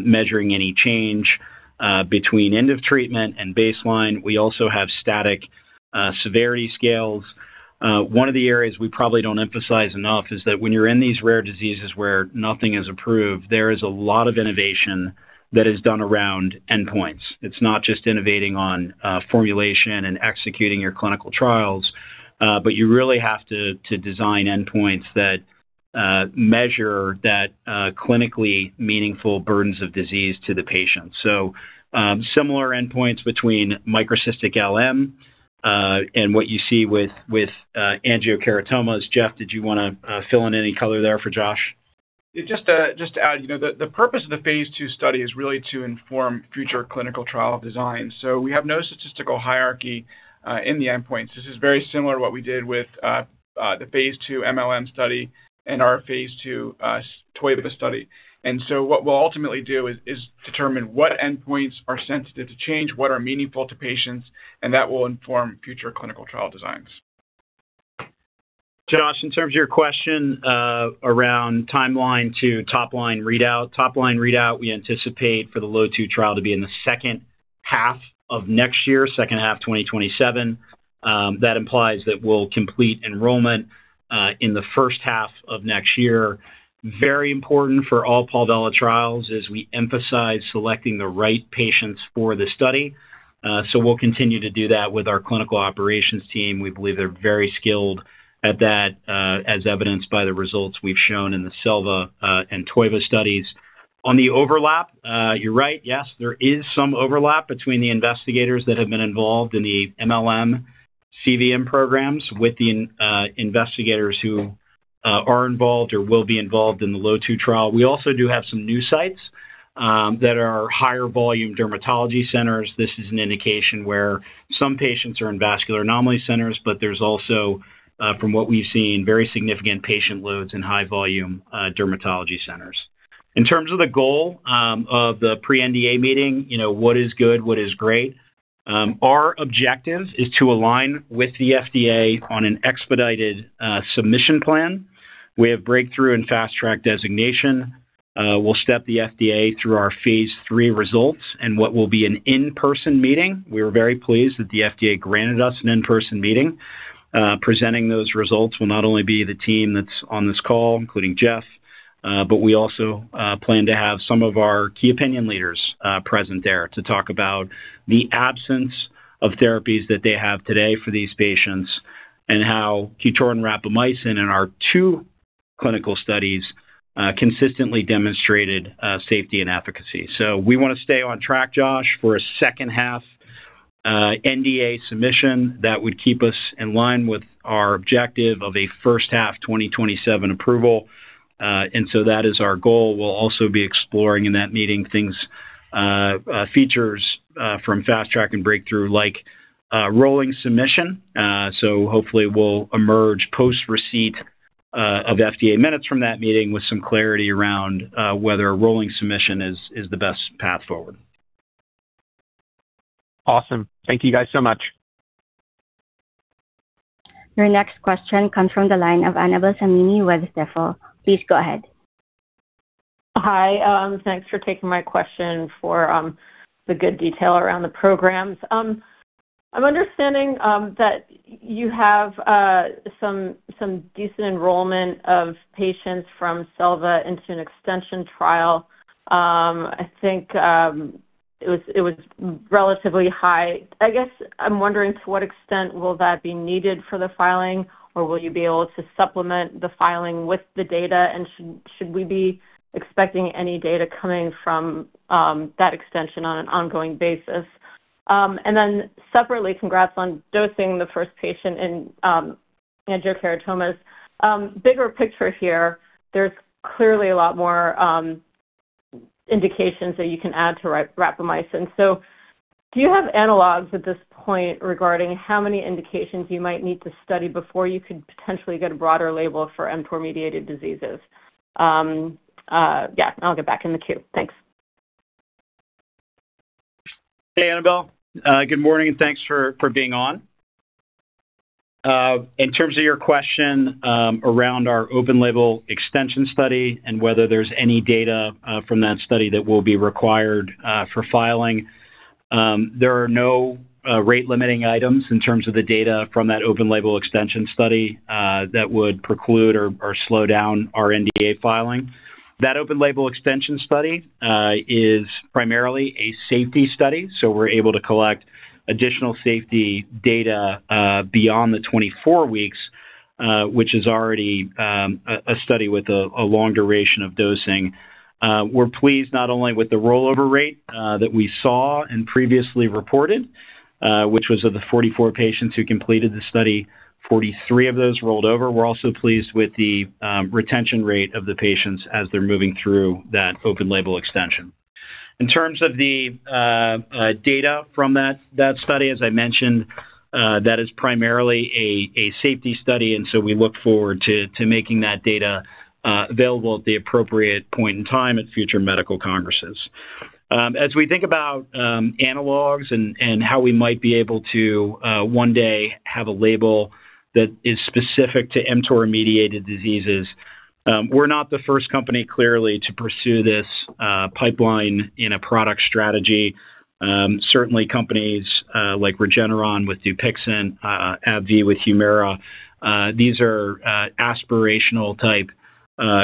measuring any change between end of treatment and baseline. We also have static severity scales. One of the areas we probably don't emphasize enough is that when you're in these rare diseases where nothing is approved, there is a lot of innovation that is done around endpoints. It's not just innovating on formulation and executing your clinical trials, but you really have to design endpoints that measure that clinically meaningful burdens of disease to the patient. Similar endpoints between microcystic LM and what you see with angiokeratomas. Jeff, did you wanna fill in any color there for Josh? Yeah, just to add, you know, the purpose of the phase II study is really to inform future clinical trial designs. We have no statistical hierarchy in the endpoints. This is very similar to what we did with the phase II mLM study and our phase II TOIVA study. What we'll ultimately do is determine what endpoints are sensitive to change, what are meaningful to patients, and that will inform future clinical trial designs. Josh, in terms of your question, around timeline to top-line readout. Top-line readout, we anticipate for the LOTU trial to be in the second half of 2027, second half 2027. That implies that we'll complete enrollment in the first half of 2027. Very important for all Palvella trials is we emphasize selecting the right patients for the study. We'll continue to do that with our clinical operations team. We believe they're very skilled at that, as evidenced by the results we've shown in the SELVA and TOIVA studies. On the overlap, you're right. Yes, there is some overlap between the investigators that have been involved in the mLM cVM programs with the investigators who are involved or will be involved in the LOTU trial. We also do have some new sites, that are higher volume dermatology centers. This is an indication where some patients are in vascular anomaly centers, but there's also, from what we've seen, very significant patient loads in high volume, dermatology centers. In terms of the goal, of the pre-NDA meeting, you know, what is good, what is great, our objective is to align with the FDA on an expedited, submission plan. We have breakthrough and fast track designation. We'll step the FDA through our phase III results in what will be an in-person meeting. We are very pleased that the FDA granted us an in-person meeting. Presenting those results will not only be the team that's on this call, including Jeff, but we also plan to have some of our key opinion leaders present there to talk about the absence of therapies that they have today for these patients and how QTORIN rapamycin in our two clinical studies consistently demonstrated safety and efficacy. We wanna stay on track, Josh, for a second half NDA submission that would keep us in line with our objective of a first half 2027 approval. That is our goal. We'll also be exploring in that meeting things, features, from Fast Track and Breakthrough like rolling submission. Hopefully we'll emerge post-receipt of FDA minutes from that meeting with some clarity around whether a rolling submission is the best path forward. Awesome. Thank you guys so much. Your next question comes from the line of Annabel Samimy with Stifel. Please go ahead. Hi. Thanks for taking my question for the good detail around the programs. I'm understanding that you have some decent enrollment of patients from SELVA into an extension trial. I think it was relatively high. I guess I'm wondering to what extent will that be needed for the filing, or will you be able to supplement the filing with the data? Should we be expecting any data coming from that extension on an ongoing basis? Separately, congrats on dosing the first patient in angiokeratomas. Bigger picture here, there's clearly a lot more indications that you can add to rapamycin. Do you have analogs at this point regarding how many indications you might need to study before you could potentially get a broader label for mTOR-mediated diseases? Yeah, I'll get back in the queue. Thanks. Hey, Annabel. Good morning, and thanks for being on. In terms of your question around our open label extension study and whether there's any data from that study that will be required for filing, there are no rate-limiting items in terms of the data from that open label extension study that would preclude or slow down our NDA filing. That open label extension study is primarily a safety study, so we're able to collect additional safety data beyond the 24 weeks, which is already a study with a long duration of dosing. We're pleased not only with the rollover rate that we saw and previously reported, which was of the 44 patients who completed the study, 43 of those rolled over. We're also pleased with the retention rate of the patients as they're moving through that open label extension. In terms of the data from that study, as I mentioned, that is primarily a safety study, we look forward to making that data available at the appropriate point in time at future medical congresses. As we think about analogs and how we might be able to one day have a label that is specific to mTOR-mediated diseases, we're not the first company, clearly, to pursue this pipeline in a product strategy. Certainly companies like Regeneron with DUPIXENT, AbbVie with HUMIRA, these are aspirational type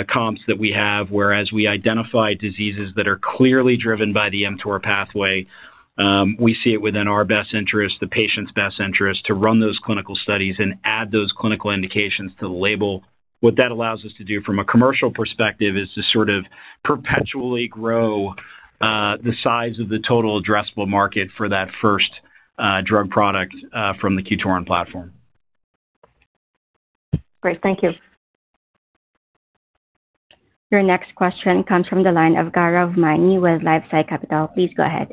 comps that we have, whereas we identify diseases that are clearly driven by the mTOR pathway. We see it within our best interest, the patient's best interest, to run those clinical studies and add those clinical indications to the label. What that allows us to do from a commercial perspective is to sort of perpetually grow, the size of the total addressable market for that first drug product from the QTORIN platform. Great. Thank you. Your next question comes from the line of Gaurav Maini with LifeSci Capital. Please go ahead.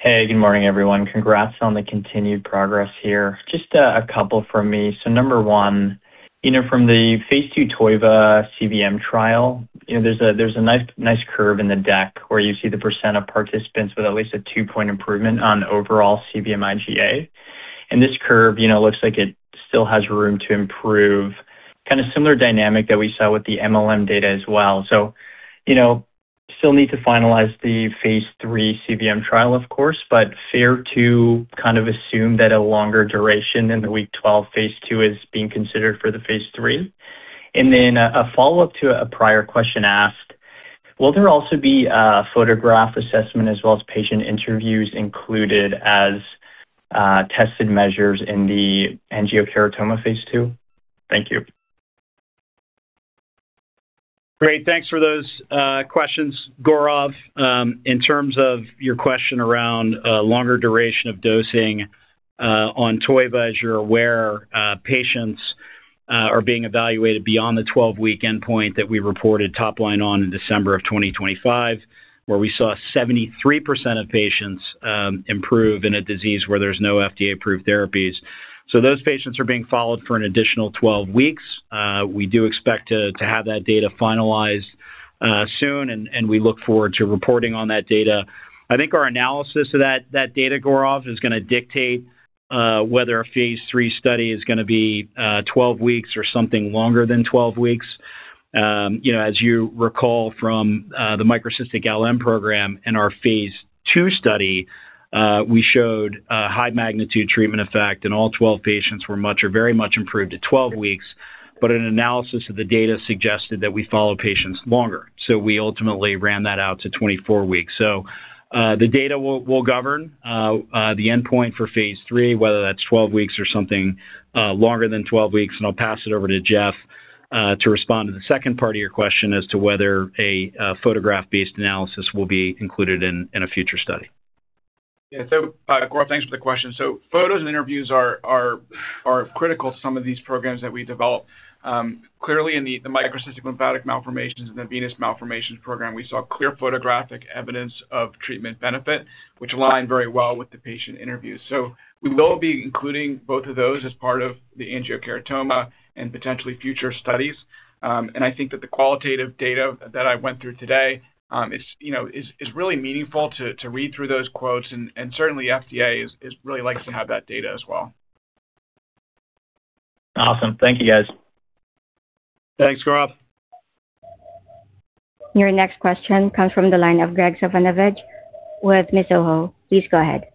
Hey, good morning, everyone. Congrats on the continued progress here. Just a couple from me. Number one, you know, from the phase II TOIVA cVM trial, you know, there's a nice curve in the deck where you see the percent of participants with at least a two-point improvement on overall cVM-IGA. And this curve, you know, looks like it still has room to improve. Kinda similar dynamic that we saw with the mLM data as well. You know, still need to finalize the phase III cVM trial, of course, but fair to kind of assume that a longer duration than the week 12 phase II is being considered for the phase III. A follow-up to a prior question asked, will there also be a photograph assessment as well as patient interviews included as tested measures in the angiokeratoma phase II? Thank you. Great. Thanks for those questions, Gaurav. In terms of your question around longer duration of dosing on TOIVA, as you're aware, patients are being evaluated beyond the 12-week endpoint that we reported top line on in December of 2025, where we saw 73% of patients improve in a disease where there's no FDA-approved therapies. Those patients are being followed for an additional 12 weeks. We do expect to have that data finalized soon, and we look forward to reporting on that data. I think our analysis of that data, Gaurav, is gonna dictate whether a phase III study is gonna be 12 weeks or something longer than 12 weeks. You know, as you recall from the microcystic LM program and our phase II study, we showed a high magnitude treatment effect, and all 12 patients were much or very much improved at 12 weeks. An analysis of the data suggested that we follow patients longer. We ultimately ran that out to 24 weeks. The data will govern the endpoint for phase III, whether that's 12 weeks or something longer than 12 weeks. I'll pass it over to Jeff to respond to the second part of your question as to whether a photograph-based analysis will be included in a future study. Gaurav, thanks for the question. Photos and interviews are critical to some of these programs that we develop. Clearly in the Microcystic Lymphatic Malformations and the cutaneous venous malformations program, we saw clear photographic evidence of treatment benefit, which aligned very well with the patient interviews. We will be including both of those as part of the angiokeratomas and potentially future studies. I think that the qualitative data that I went through today, you know, is really meaningful to read through those quotes. Certainly FDA is really likes to have that data as well. Awesome. Thank you, guys. Thanks, Gaurav. Your next question comes from the line of Graig Suvannavejh with Mizuho. Please go ahead.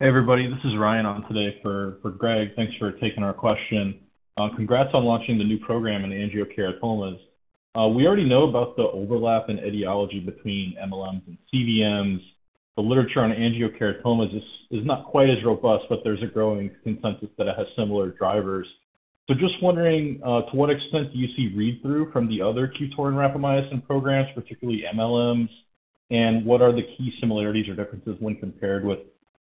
Hey, everybody. This is Ryan on today for Graig. Thanks for taking our question. Congrats on launching the new program in angiokeratomas. We already know about the overlap in etiology between mLMs and cVMs. The literature on angiokeratomas is not quite as robust, but there's a growing consensus that it has similar drivers. Just wondering, to what extent do you see read-through from the other QTORIN rapamycin programs, particularly mLMs, and what are the key similarities or differences when compared with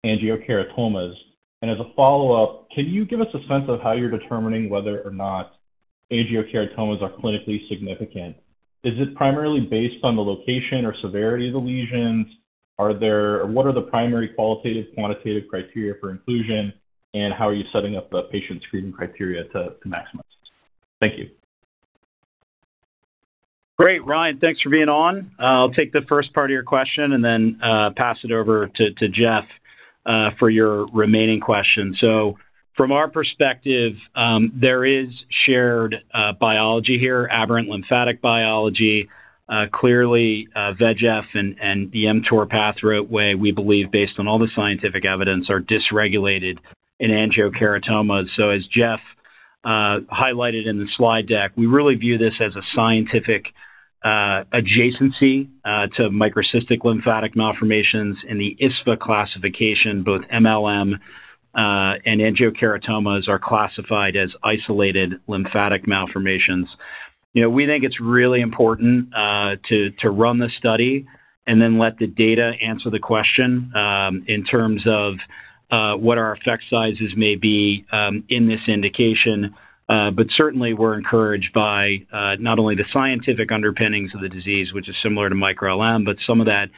angiokeratomas? As a follow-up, can you give us a sense of how you're determining whether or not angiokeratomas are clinically significant? Is it primarily based on the location or severity of the lesions? What are the primary qualitative, quantitative criteria for inclusion, and how are you setting up the patient screening criteria to maximize? Thank you. Great, Ryan. Thanks for being on. I'll take the first part of your question and then pass it over to Jeff for your remaining question. From our perspective, there is shared biology here, aberrant lymphatic biology. Clearly, VEGF and the mTOR pathway, we believe, based on all the scientific evidence, are dysregulated in angiokeratomas. As Jeff highlighted in the slide deck, we really view this as a scientific adjacency to Microcystic Lymphatic Malformations. In the ISSVA classification, both mLM and angiokeratomas are classified as isolated lymphatic malformations. You know, we think it's really important to run the study and then let the data answer the question in terms of what our effect sizes may be in this indication. Certainly we're encouraged by not only the scientific underpinnings of the disease, which is similar to microLM, but some of that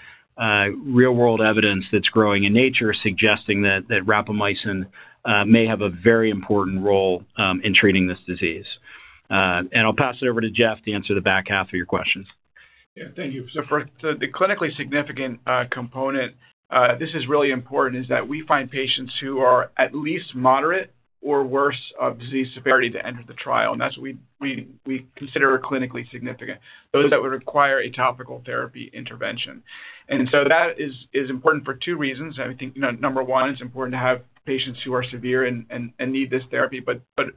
real-world evidence that's growing in nature suggesting that rapamycin may have a very important role in treating this disease. I'll pass it over to Jeff to answer the back half of your questions. Yeah. Thank you. For the clinically significant component, this is really important, is that we find patients who are at least moderate or worse of disease severity to enter the trial, and that's what we consider clinically significant, those that would require a topical therapy intervention. That is important for two reasons. I think, you know, number one, it's important to have patients who are severe and need this therapy.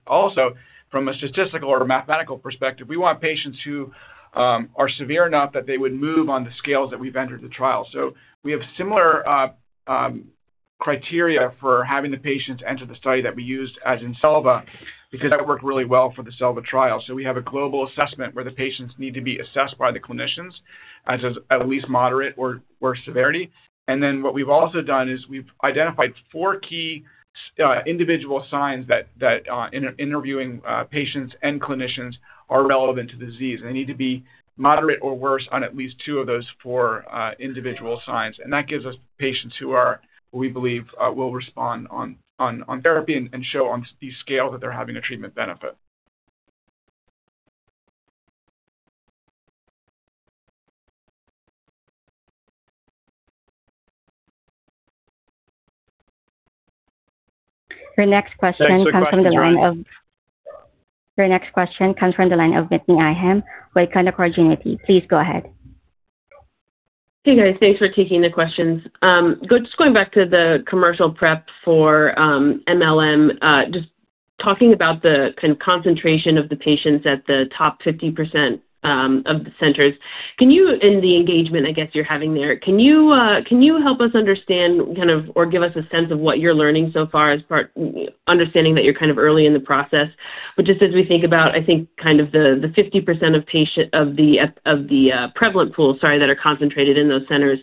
Also from a statistical or mathematical perspective, we want patients who are severe enough that they would move on the scales that we've entered the trial. We have similar criteria for having the patients enter the study that we used as in SELVA because that worked really well for the SELVA trial. We have a global assessment where the patients need to be assessed by the clinicians as at least moderate or worse severity. What we've also done is we've identified four key individual signs that, in interviewing, patients and clinicians are relevant to the disease. They need to be moderate or worse on at least two of those four individual signs. That gives us patients who are we believe, will respond on therapy and show on these scales that they're having a treatment benefit. Your next question comes from the line of. Thanks so much. Thanks, Ryan. Your next question comes from the line of Whitney Ijem with Canaccord Genuity. Please go ahead. Hey, guys. Thanks for taking the questions. Just going back to the commercial prep for mLM, just talking about the concentration of the patients at the top 50% of the centers. Can you In the engagement, I guess, you're having there, can you help us understand kind of or give us a sense of what you're learning so far as part understanding that you're kind of early in the process. Just as we think about, I think, kind of the 50% of patient of the prevalent pool, sorry, that are concentrated in those centers.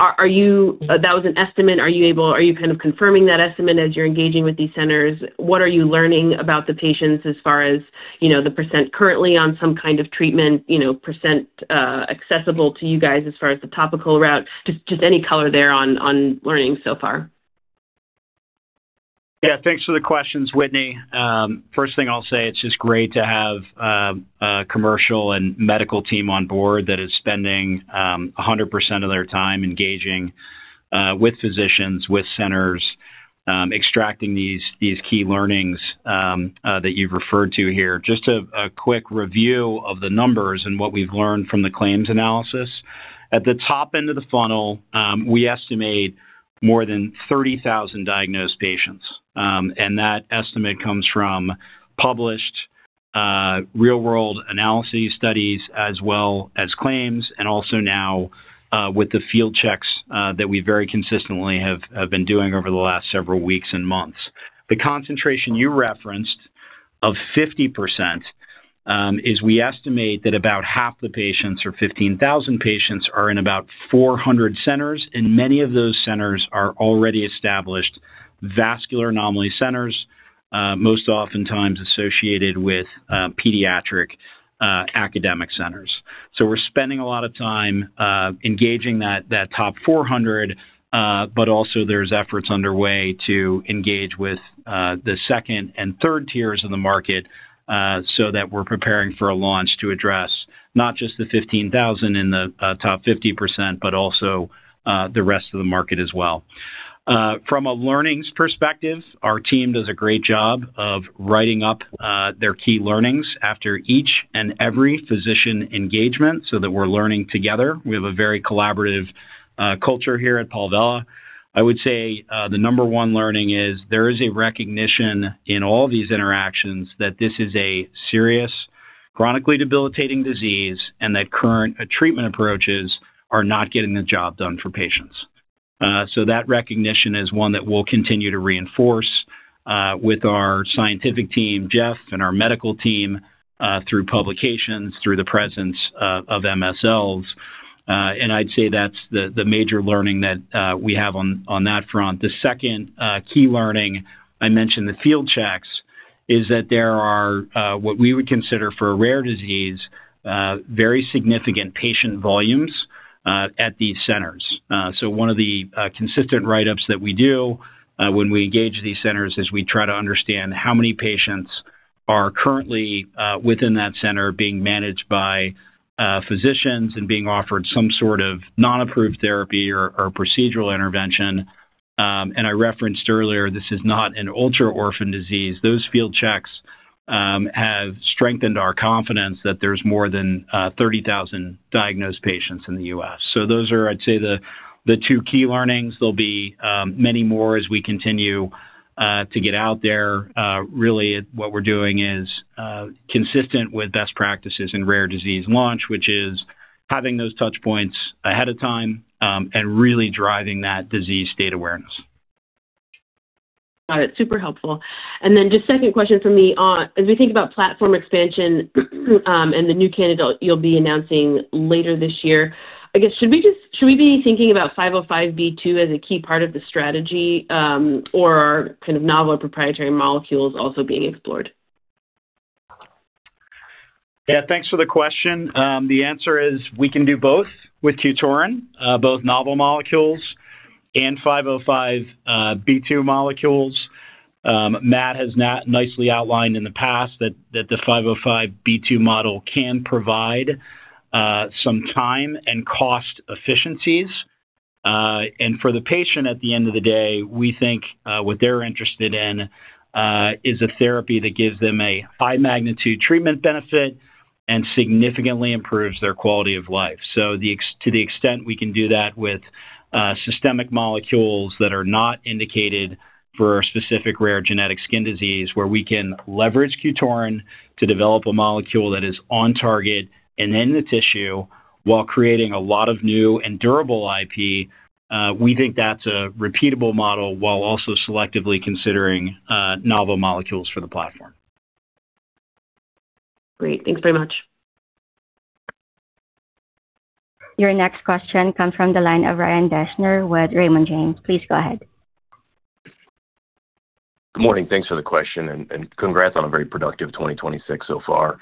Are you That was an estimate. Are you kind of confirming that estimate as you're engaging with these centers? What are you learning about the patients as far as, you know, the % currently on some kind of treatment, you know, % accessible to you guys as far as the topical route? Just any color there on learning so far. Yeah. Thanks for the questions, Whitney. First thing I'll say, it's just great to have a commercial and medical team on board that is spending 100% of their time engaging with physicians, with centers, extracting these key learnings that you've referred to here. Just a quick review of the numbers and what we've learned from the claims analysis. At the top end of the funnel, we estimate more than 30,000 diagnosed patients. That estimate comes from published real-world analyses studies as well as claims and also now with the field checks that we very consistently have been doing over the last several weeks and months. The concentration you referenced of 50%, is we estimate that about half the patients or 15,000 patients are in about 400 centers, and many of those centers are already established vascular anomaly centers, most oftentimes associated with pediatric academic centers. We're spending a lot of time engaging that top 400, but also there's efforts underway to engage with the second and third tiers of the market, so that we're preparing for a launch to address not just the 15,000 in the top 50% but also the rest of the market as well. From a learnings perspective, our team does a great job of writing up their key learnings after each and every physician engagement so that we're learning together. We have a very collaborative culture here at Palvella. I would say, the number one learning is there is a recognition in all these interactions that this is a serious, chronically debilitating disease and that current treatment approaches are not getting the job done for patients. So that recognition is one that we'll continue to reinforce with our scientific team, Jeff, and our medical team, through publications, through the presence of MSLs. And I'd say that's the major learning that we have on that front. The second key learning, I mentioned the field checks, is that there are what we would consider for a rare disease, very significant patient volumes at these centers. One of the consistent write-ups that we do when we engage these centers is we try to understand how many patients are currently within that center being managed by physicians and being offered some sort of non-approved therapy or procedural intervention. I referenced earlier this is not an ultra-orphan disease. Those field checks have strengthened our confidence that there's more than 30,000 diagnosed patients in the U.S. Those are, I'd say, the two key learnings. There'll be many more as we continue to get out there. Really what we're doing is consistent with best practices in rare disease launch, which is having those touchpoints ahead of time and really driving that disease state awareness. Got it. Super helpful. Just second question from me on as we think about platform expansion, and the new candidate you'll be announcing later this year, I guess should we be thinking about 505(b)(2) as a key part of the strategy, or are kind of novel proprietary molecules also being explored? Thanks for the question. The answer is we can do both with QTORIN, both novel molecules and 505(b)(2) molecules. Matt has not nicely outlined in the past that the 505(b)(2) model can provide some time and cost efficiencies. For the patient at the end of the day, we think what they're interested in is a therapy that gives them a high magnitude treatment benefit and significantly improves their quality of life. To the extent we can do that with systemic molecules that are not indicated for a specific rare genetic skin disease, where we can leverage QTORIN to develop a molecule that is on target and in the tissue while creating a lot of new and durable IP, we think that's a repeatable model while also selectively considering novel molecules for the platform. Great. Thanks very much. Your next question comes from the line of Ryan Deschner with Raymond James. Please go ahead. Good morning. Thanks for the question, and congrats on a very productive 2026 so far.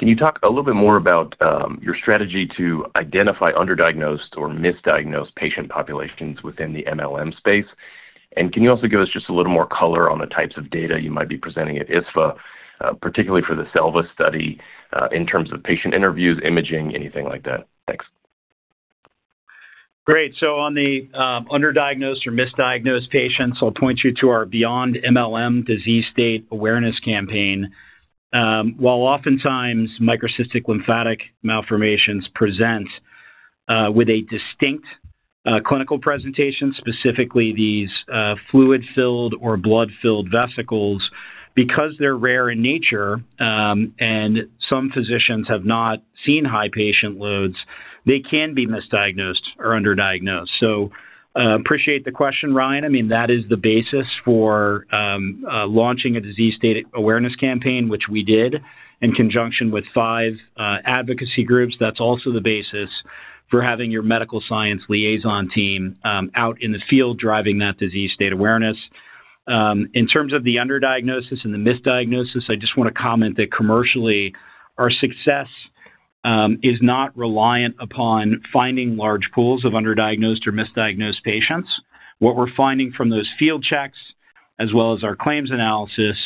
Can you talk a little bit more about your strategy to identify underdiagnosed or misdiagnosed patient populations within the mLM space? Can you also give us just a little more color on the types of data you might be presenting at ISSVA, particularly for the SELVA study, in terms of patient interviews, imaging, anything like that? Thanks. Great. On the underdiagnosed or misdiagnosed patients, I'll point you to our BEYOND mLM disease state awareness campaign. While oftentimes Microcystic Lymphatic Malformations present with a distinct clinical presentation, specifically these fluid-filled or blood-filled vesicles, because they're rare in nature, and some physicians have not seen high patient loads, they can be misdiagnosed or underdiagnosed. Appreciate the question, Ryan. I mean, that is the basis for launching a disease state awareness campaign, which we did in conjunction with five advocacy groups. That's also the basis for having your medical science liaison team out in the field driving that disease state awareness. In terms of the underdiagnosis and the misdiagnosis, I just wanna comment that commercially our success is not reliant upon finding large pools of underdiagnosed or misdiagnosed patients. What we're finding from those field checks as well as our claims analysis,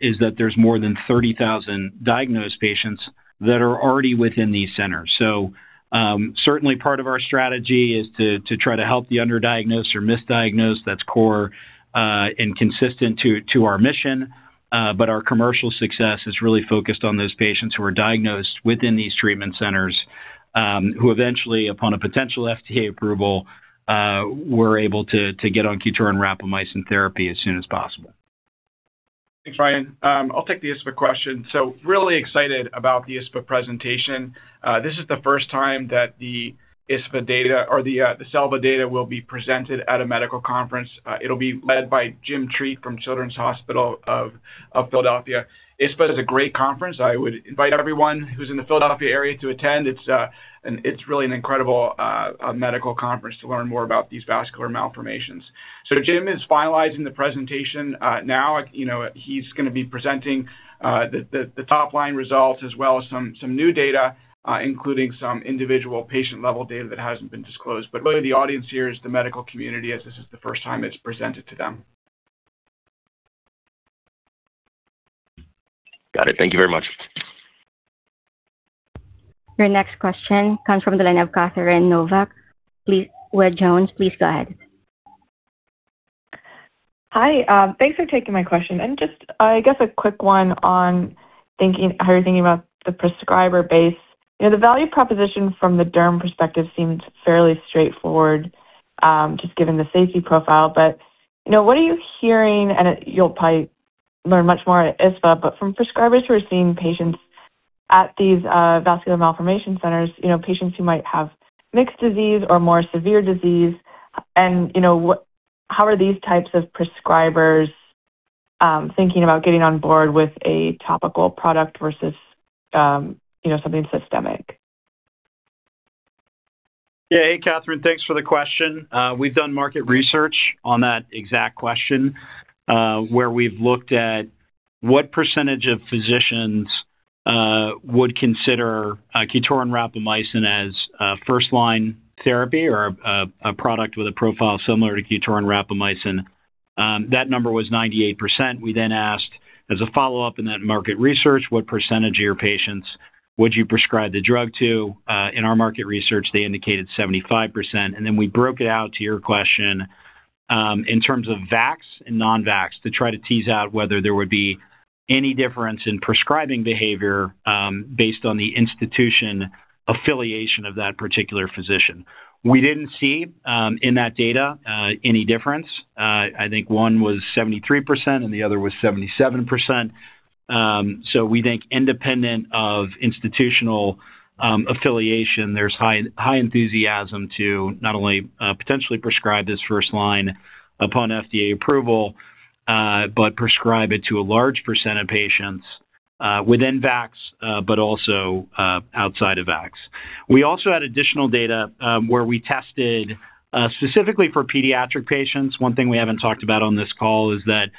is that there's more than 30,000 diagnosed patients that are already within these centers. Certainly part of our strategy is to try to help the underdiagnosed or misdiagnosed. That's core, and consistent to our mission. Our commercial success is really focused on those patients who are diagnosed within these treatment centers, who eventually upon a potential FDA approval, we're able to get on QTORIN rapamycin therapy as soon as possible. Thanks, Ryan. I'll take the ISSVA question. Really excited about the ISSVA presentation. This is the first time that the ISSVA data or the SELVA data will be presented at a medical conference. It'll be led by Jim Treat from Children's Hospital of Philadelphia. ISSVA is a great conference. I would invite everyone who's in the Philadelphia area to attend. It's really an incredible medical conference to learn more about these vascular malformations. Jim is finalizing the presentation now. You know, he's gonna be presenting the top-line results as well as some new data, including some individual patient-level data that hasn't been disclosed. Really the audience here is the medical community, as this is the first time it's presented to them. Got it. Thank you very much. Your next question comes from the line of Catherine Novack with Jones. Please go ahead. Hi. Thanks for taking my question. Just, I guess a quick one on thinking how you're thinking about the prescriber base. You know, the value proposition from the derm perspective seems fairly straightforward, just given the safety profile. You know, what are you hearing, and you'll probably learn much more at ISSVA, but from prescribers who are seeing patients at these vascular malformation centers, you know, patients who might have mixed disease or more severe disease, and, you know, how are these types of prescribers thinking about getting on board with a topical product versus, you know, something systemic? Hey, Catherine. Thanks for the question. We've done market research on that exact question, where we've looked at what percentage of physicians would consider QTORIN rapamycin as a first-line therapy or a product with a profile similar to QTORIN rapamycin. That number was 98%. We asked as a follow-up in that market research, what % of your patients would you prescribe the drug to? In our market research, they indicated 75%. We broke it out to your question, in terms of VACs and non-VACs to try to tease out whether there would be any difference in prescribing behavior, based on the institution affiliation of that particular physician. We didn't see in that data any difference. I think one was 73% and the other was 77%. We think independent of institutional affiliation, there's high enthusiasm to not only potentially prescribe this first line upon FDA approval, but prescribe it to a large percent of patients within VACs, but also outside of VACs. We also had additional data where we tested specifically for pediatric patients. One thing we haven't talked about on this call is that,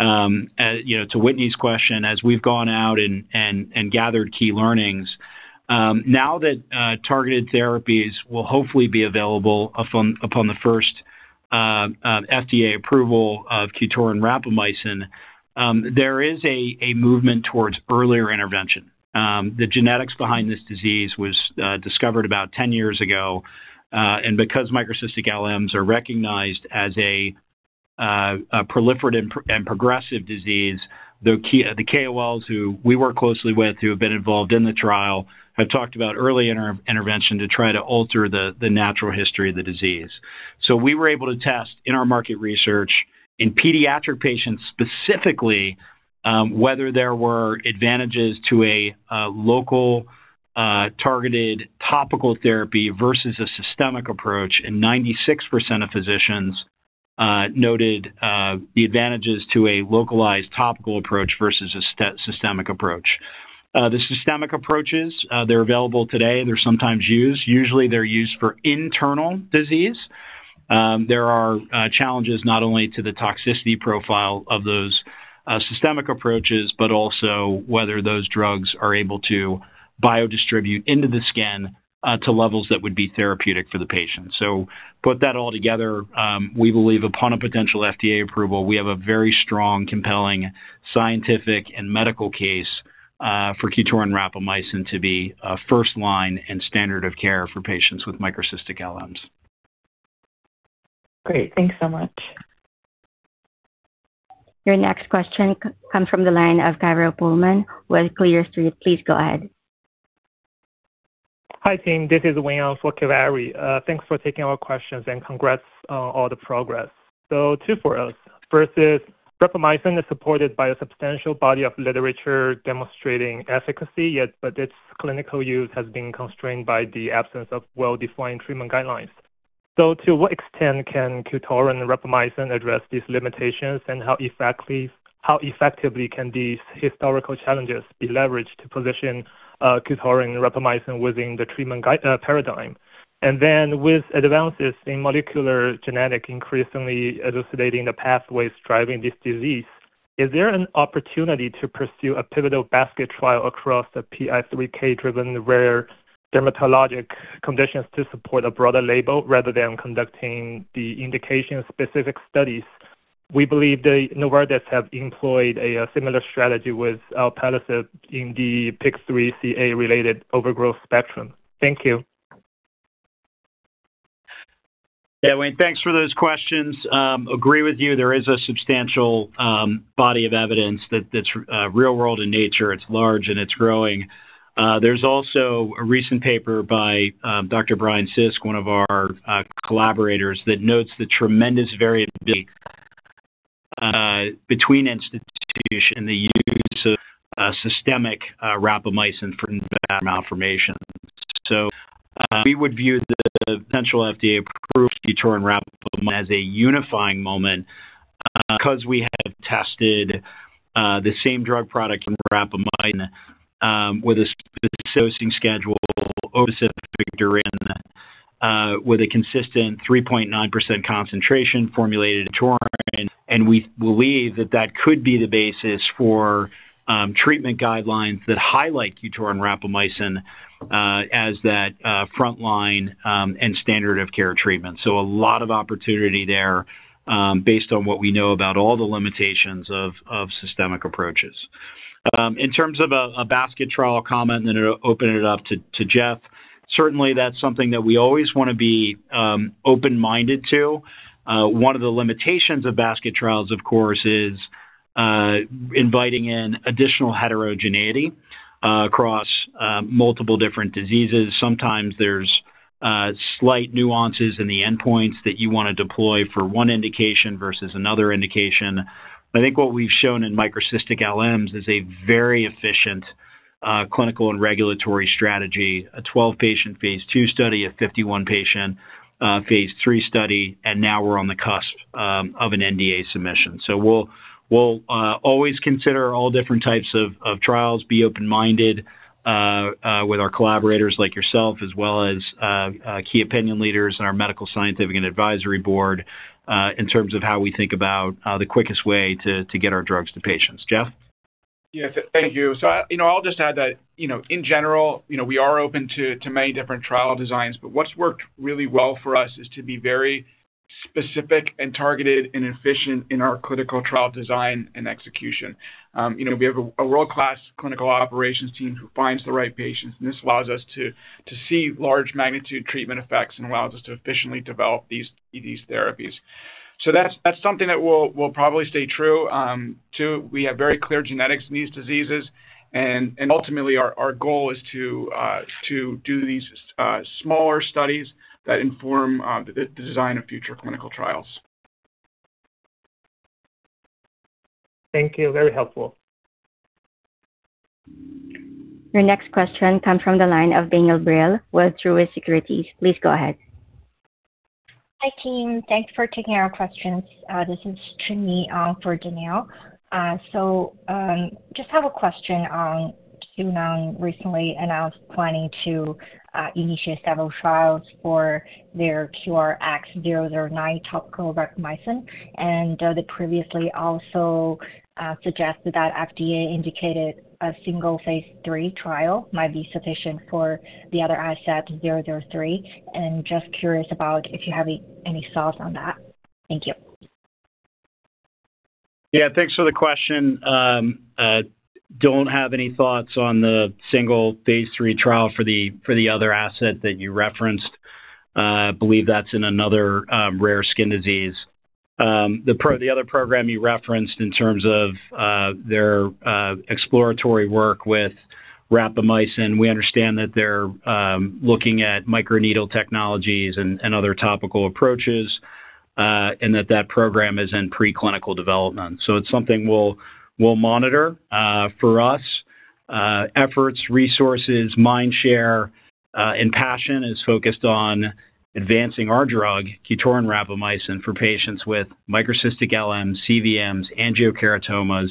you know, to Whitney's question, as we've gone out and gathered key learnings, now that targeted therapies will hopefully be available upon the first FDA approval of QTORIN rapamycin, there is a movement towards earlier intervention. The genetics behind this disease was discovered about 10 years ago. Because microcystic LMs are recognized as a proliferative and progressive disease, the KOLs who we work closely with, who have been involved in the trial, have talked about early intervention to try to alter the natural history of the disease. We were able to test in our market research in pediatric patients specifically, whether there were advantages to a local targeted topical therapy versus a systemic approach. 96% of physicians noted the advantages to a localized topical approach versus a systemic approach. The systemic approaches, they're available today. They're sometimes used. Usually, they're used for internal disease. There are challenges not only to the toxicity profile of those systemic approaches, but also whether those drugs are able to bio-distribute into the skin to levels that would be therapeutic for the patient. Put that all together, we believe upon a potential FDA approval, we have a very strong, compelling scientific and medical case for QTORIN and rapamycin to be first line and standard of care for patients with microcystic LMs. Great. Thanks so much. Your next question comes from the line of Kaveri Pohlman with Clear Street. Please go ahead. Hi, team. This is William for Kaveri. Thanks for taking our questions and congrats on all the progress. Two for us. First, rapamycin is supported by a substantial body of literature demonstrating efficacy, yet but its clinical use has been constrained by the absence of well-defined treatment guidelines. To what extent can Keytruda and rapamycin address these limitations, and how effectively can these historical challenges be leveraged to position Keytruda and rapamycin within the treatment guide, paradigm? With advances in molecular genetic increasingly elucidating the pathways driving this disease, is there an opportunity to pursue a pivotal basket trial across the PI3K-driven rare dermatologic conditions to support a broader label rather than conducting the indication-specific studies? We believe Novartis have employed a similar strategy with alpelisib in the PIK3CA-related overgrowth spectrum. Thank you. Wayne, thanks for those questions. Agree with you. There is a substantial body of evidence that's real-world in nature. It's large, it's growing. There's also a recent paper by Dr. Bryan Sisk, one of our collaborators, that notes the tremendous variability between institution, the use of systemic rapamycin for malformations. We would view the potential FDA approval QTORIN and rapamycin as a unifying moment 'cause we have tested the same drug product in rapamycin with a dosing schedule, with a consistent 3.9% concentration formulated in QTORIN. We believe that that could be the basis for treatment guidelines that highlight QTORIN and rapamycin as that frontline and standard of care treatment. A lot of opportunity there, based on what we know about all the limitations of systemic approaches. In terms of a basket trial comment, and then open it up to Jeff Martini. Certainly, that's something that we always wanna be open-minded to. One of the limitations of basket trials, of course, is inviting in additional heterogeneity across multiple different diseases. Sometimes there's slight nuances in the endpoints that you wanna deploy for one indication versus another indication. I think what we've shown Microcystic Lymphatic Malformations is a very efficient clinical and regulatory strategy, a 12-patient phase II study, a 51-patient phase III study, and now we're on the cusp of an NDA submission. We'll always consider all different types of trials, be open-minded with our collaborators like yourself, as well as key opinion leaders and our medical scientific and advisory board, in terms of how we think about the quickest way to get our drugs to patients. Jeff? Yeah. Thank you. I, you know, I'll just add that, you know, in general, you know, we are open to many different trial designs, but what's worked really well for us is to be very specific and targeted and efficient in our clinical trial design and execution. You know, we have a world-class clinical operations team who finds the right patients, and this allows us to see large magnitude treatment effects and allows us to efficiently develop these therapies. That's something that will probably stay true. Two, we have very clear genetics in these diseases and ultimately our goal is to do these smaller studies that inform the design of future clinical trials. Thank you. Very helpful. Your next question comes from the line of Danielle Brill with Truist Securities. Please go ahead. Hi, team. Thanks for taking our questions. This is Trinh for Danielle. Just have a question on Quoin Pharmaceuticals recently announced planning to initiate several trials for their QRX-009 topical rapamycin, and they previously also suggested that FDA indicated a single phase III trial might be sufficient for the other asset, 003. Just curious about if you have any thoughts on that. Thank you. Yeah. Thanks for the question. Don't have any thoughts on the single phase III trial for the, for the other asset that you referenced. Believe that's in another rare skin disease. The other program you referenced in terms of their exploratory work with rapamycin, we understand that they're looking at microneedle technologies and other topical approaches, and that program is in preclinical development. It's something we'll monitor. For us, efforts, resources, mind share, and passion is focused on advancing our drug, QTORIN rapamycin, for patients with microcystic LM, cVMs, angiokeratomas,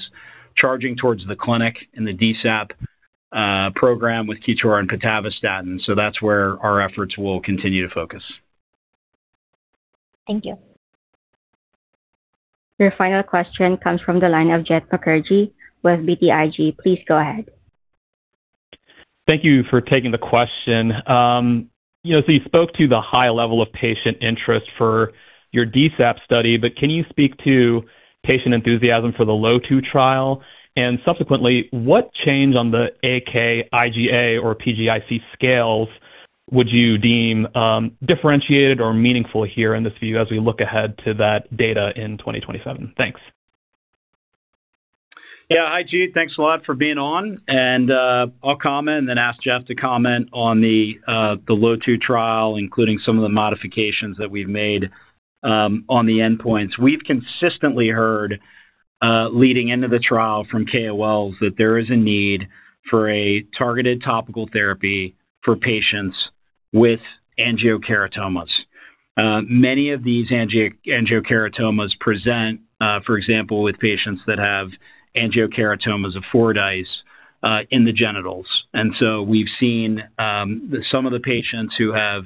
charging towards the clinic in the DSAP program with QTORIN pitavastatin. That's where our efforts will continue to focus. Thank you. Your final question comes from the line of Jeet Mukherjee with BTIG. Please go ahead. Thank you for taking the question. You know, you spoke to the high level of patient interest for your DSAP study, but can you speak to patient enthusiasm for the LOTU trial? Subsequently, what change on the AK, IGA, or PGIC scales would you deem differentiated or meaningful here in this view as we look ahead to that data in 2027? Thanks. Hi, Jeet. Thanks a lot for being on. I'll comment and then ask Jeff to comment on the LOTU trial, including some of the modifications that we've made on the endpoints. We've consistently heard leading into the trial from KOLs that there is a need for a targeted topical therapy for patients with angiokeratomas. Many of these angiokeratomas present, for example, with patients that have angiokeratomas of Fordyce in the genitals. We've seen some of the patients who have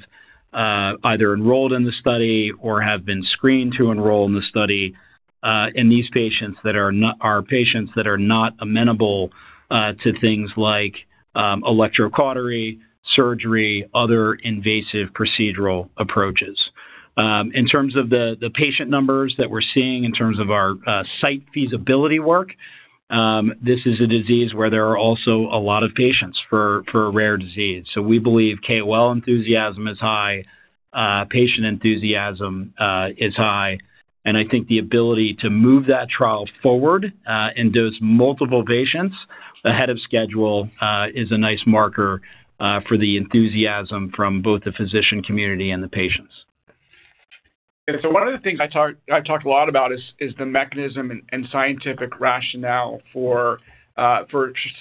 either enrolled in the study or have been screened to enroll in the study, and these patients that are not amenable to things like electrocautery, surgery, other invasive procedural approaches. In terms of the patient numbers that we're seeing in terms of our site feasibility work, this is a disease where there are also a lot of patients for a rare disease. We believe KOL enthusiasm is high, patient enthusiasm is high, and I think the ability to move that trial forward and dose multiple patients ahead of schedule is a nice marker for the enthusiasm from both the physician community and the patients. One of the things I've talked a lot about is the mechanism and scientific rationale for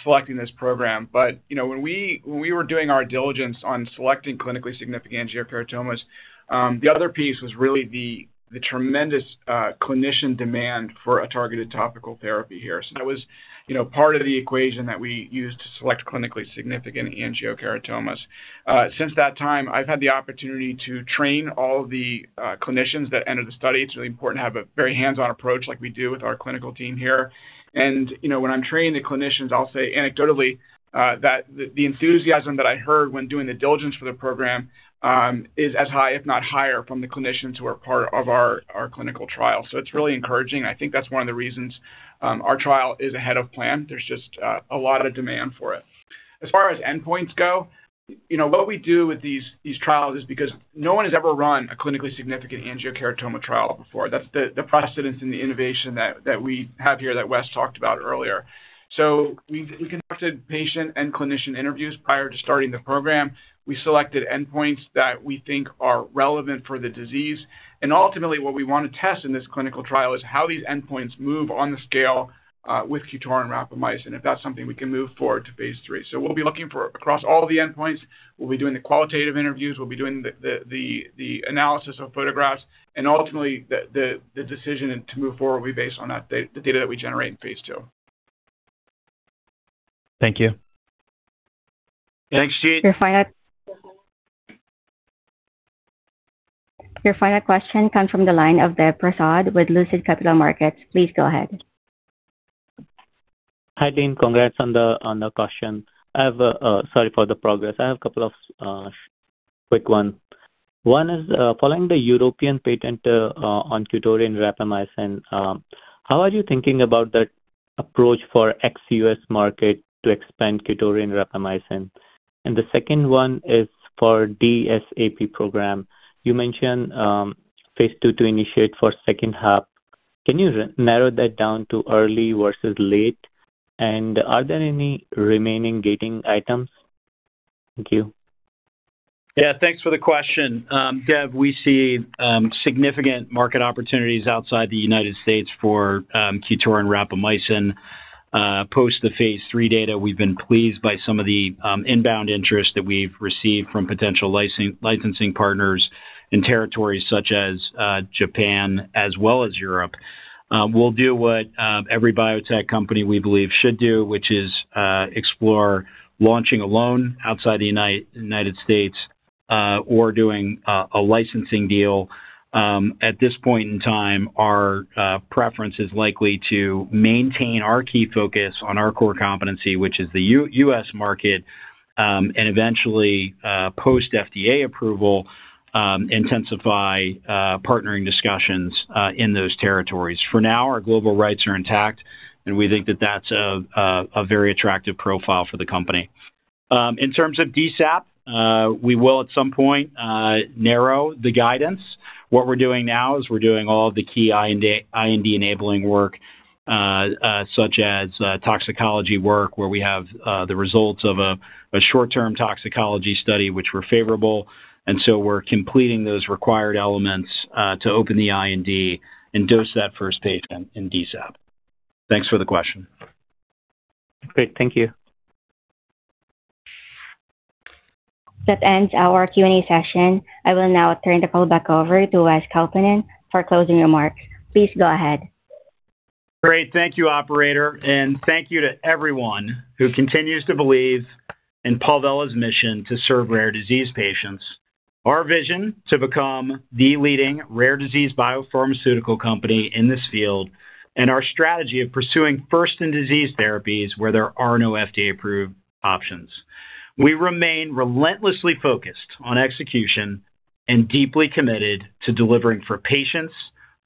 selecting this program. You know, when we were doing our diligence on selecting clinically significant angiokeratomas, the other piece was really the tremendous clinician demand for a targeted topical therapy here. That was, you know, part of the equation that we used to select clinically significant angiokeratomas. Since that time, I've had the opportunity to train all the clinicians that entered the study. It's really important to have a very hands-on approach like we do with our clinical team here. You know, when I'm training the clinicians, I'll say anecdotally that the enthusiasm that I heard when doing the diligence for the program is as high, if not higher, from the clinicians who are part of our clinical trial. It's really encouraging. I think that's one of the reasons our trial is ahead of plan. There's just a lot of demand for it. As far as endpoints go, you know, what we do with these trials is because no one has ever run a clinically significant angiokeratoma trial before. That's the precedence and the innovation that we have here that Wes talked about earlier. We conducted patient and clinician interviews prior to starting the program. We selected endpoints that we think are relevant for the disease. Ultimately, what we wanna test in this clinical trial is how these endpoints move on the scale with QTORIN rapamycin, if that's something we can move forward to phase III. We'll be looking for across all the endpoints. We'll be doing the qualitative interviews. We'll be doing the analysis of photographs. Ultimately, the decision to move forward will be based on the data that we generate in phase II. Thank you. Thanks, Jeet. Your final question comes from the line of Dev Prasad with Lucid Capital Markets. Please go ahead. Hi, Dean. Congrats on the caution. I have a sorry for the progress. I have a couple of quick one. One is, following the European patent on QTORIN and rapamycin, how are you thinking about that approach for ex-U.S. market to expand QTORIN and rapamycin? The second one is for DSAP program. You mentioned, phase II to initiate for second half. Can you narrow that down to early versus late? Are there any remaining gating items? Thank you. Thanks for the question. Dev, we see significant market opportunities outside the United States for QTORIN rapamycin. Post the phase III data, we've been pleased by some of the inbound interest that we've received from potential licensing partners in territories such as Japan as well as Europe. We'll do what every biotech company we believe should do, which is explore launching alone outside the United States or doing a licensing deal. At this point in time, our preference is likely to maintain our key focus on our core competency, which is the U.S. market, and eventually, post FDA approval, intensify partnering discussions in those territories. For now, our global rights are intact, we think that that's a very attractive profile for the company. In terms of DSAP, we will at some point narrow the guidance. What we're doing now is we're doing all the key IND-enabling work, such as toxicology work, where we have the results of a short-term toxicology study which were favorable. So we're completing those required elements to open the IND and dose that first patient in DSAP. Thanks for the question. Great. Thank you. That ends our Q&A session. I will now turn the call back over to Wes Kaupinen for closing remarks. Please go ahead. Great. Thank you, operator, and thank you to everyone who continues to believe in Palvella's mission to serve rare disease patients. Our vision to become the leading rare disease biopharmaceutical company in this field and our strategy of pursuing first-in-disease therapies where there are no FDA-approved options. We remain relentlessly focused on execution and deeply committed to delivering for patients,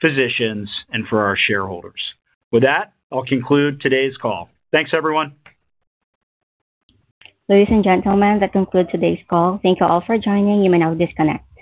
physicians, and for our shareholders. With that, I'll conclude today's call. Thanks, everyone. Ladies and gentlemen, that concludes today's call. Thank you all for joining. You may now disconnect.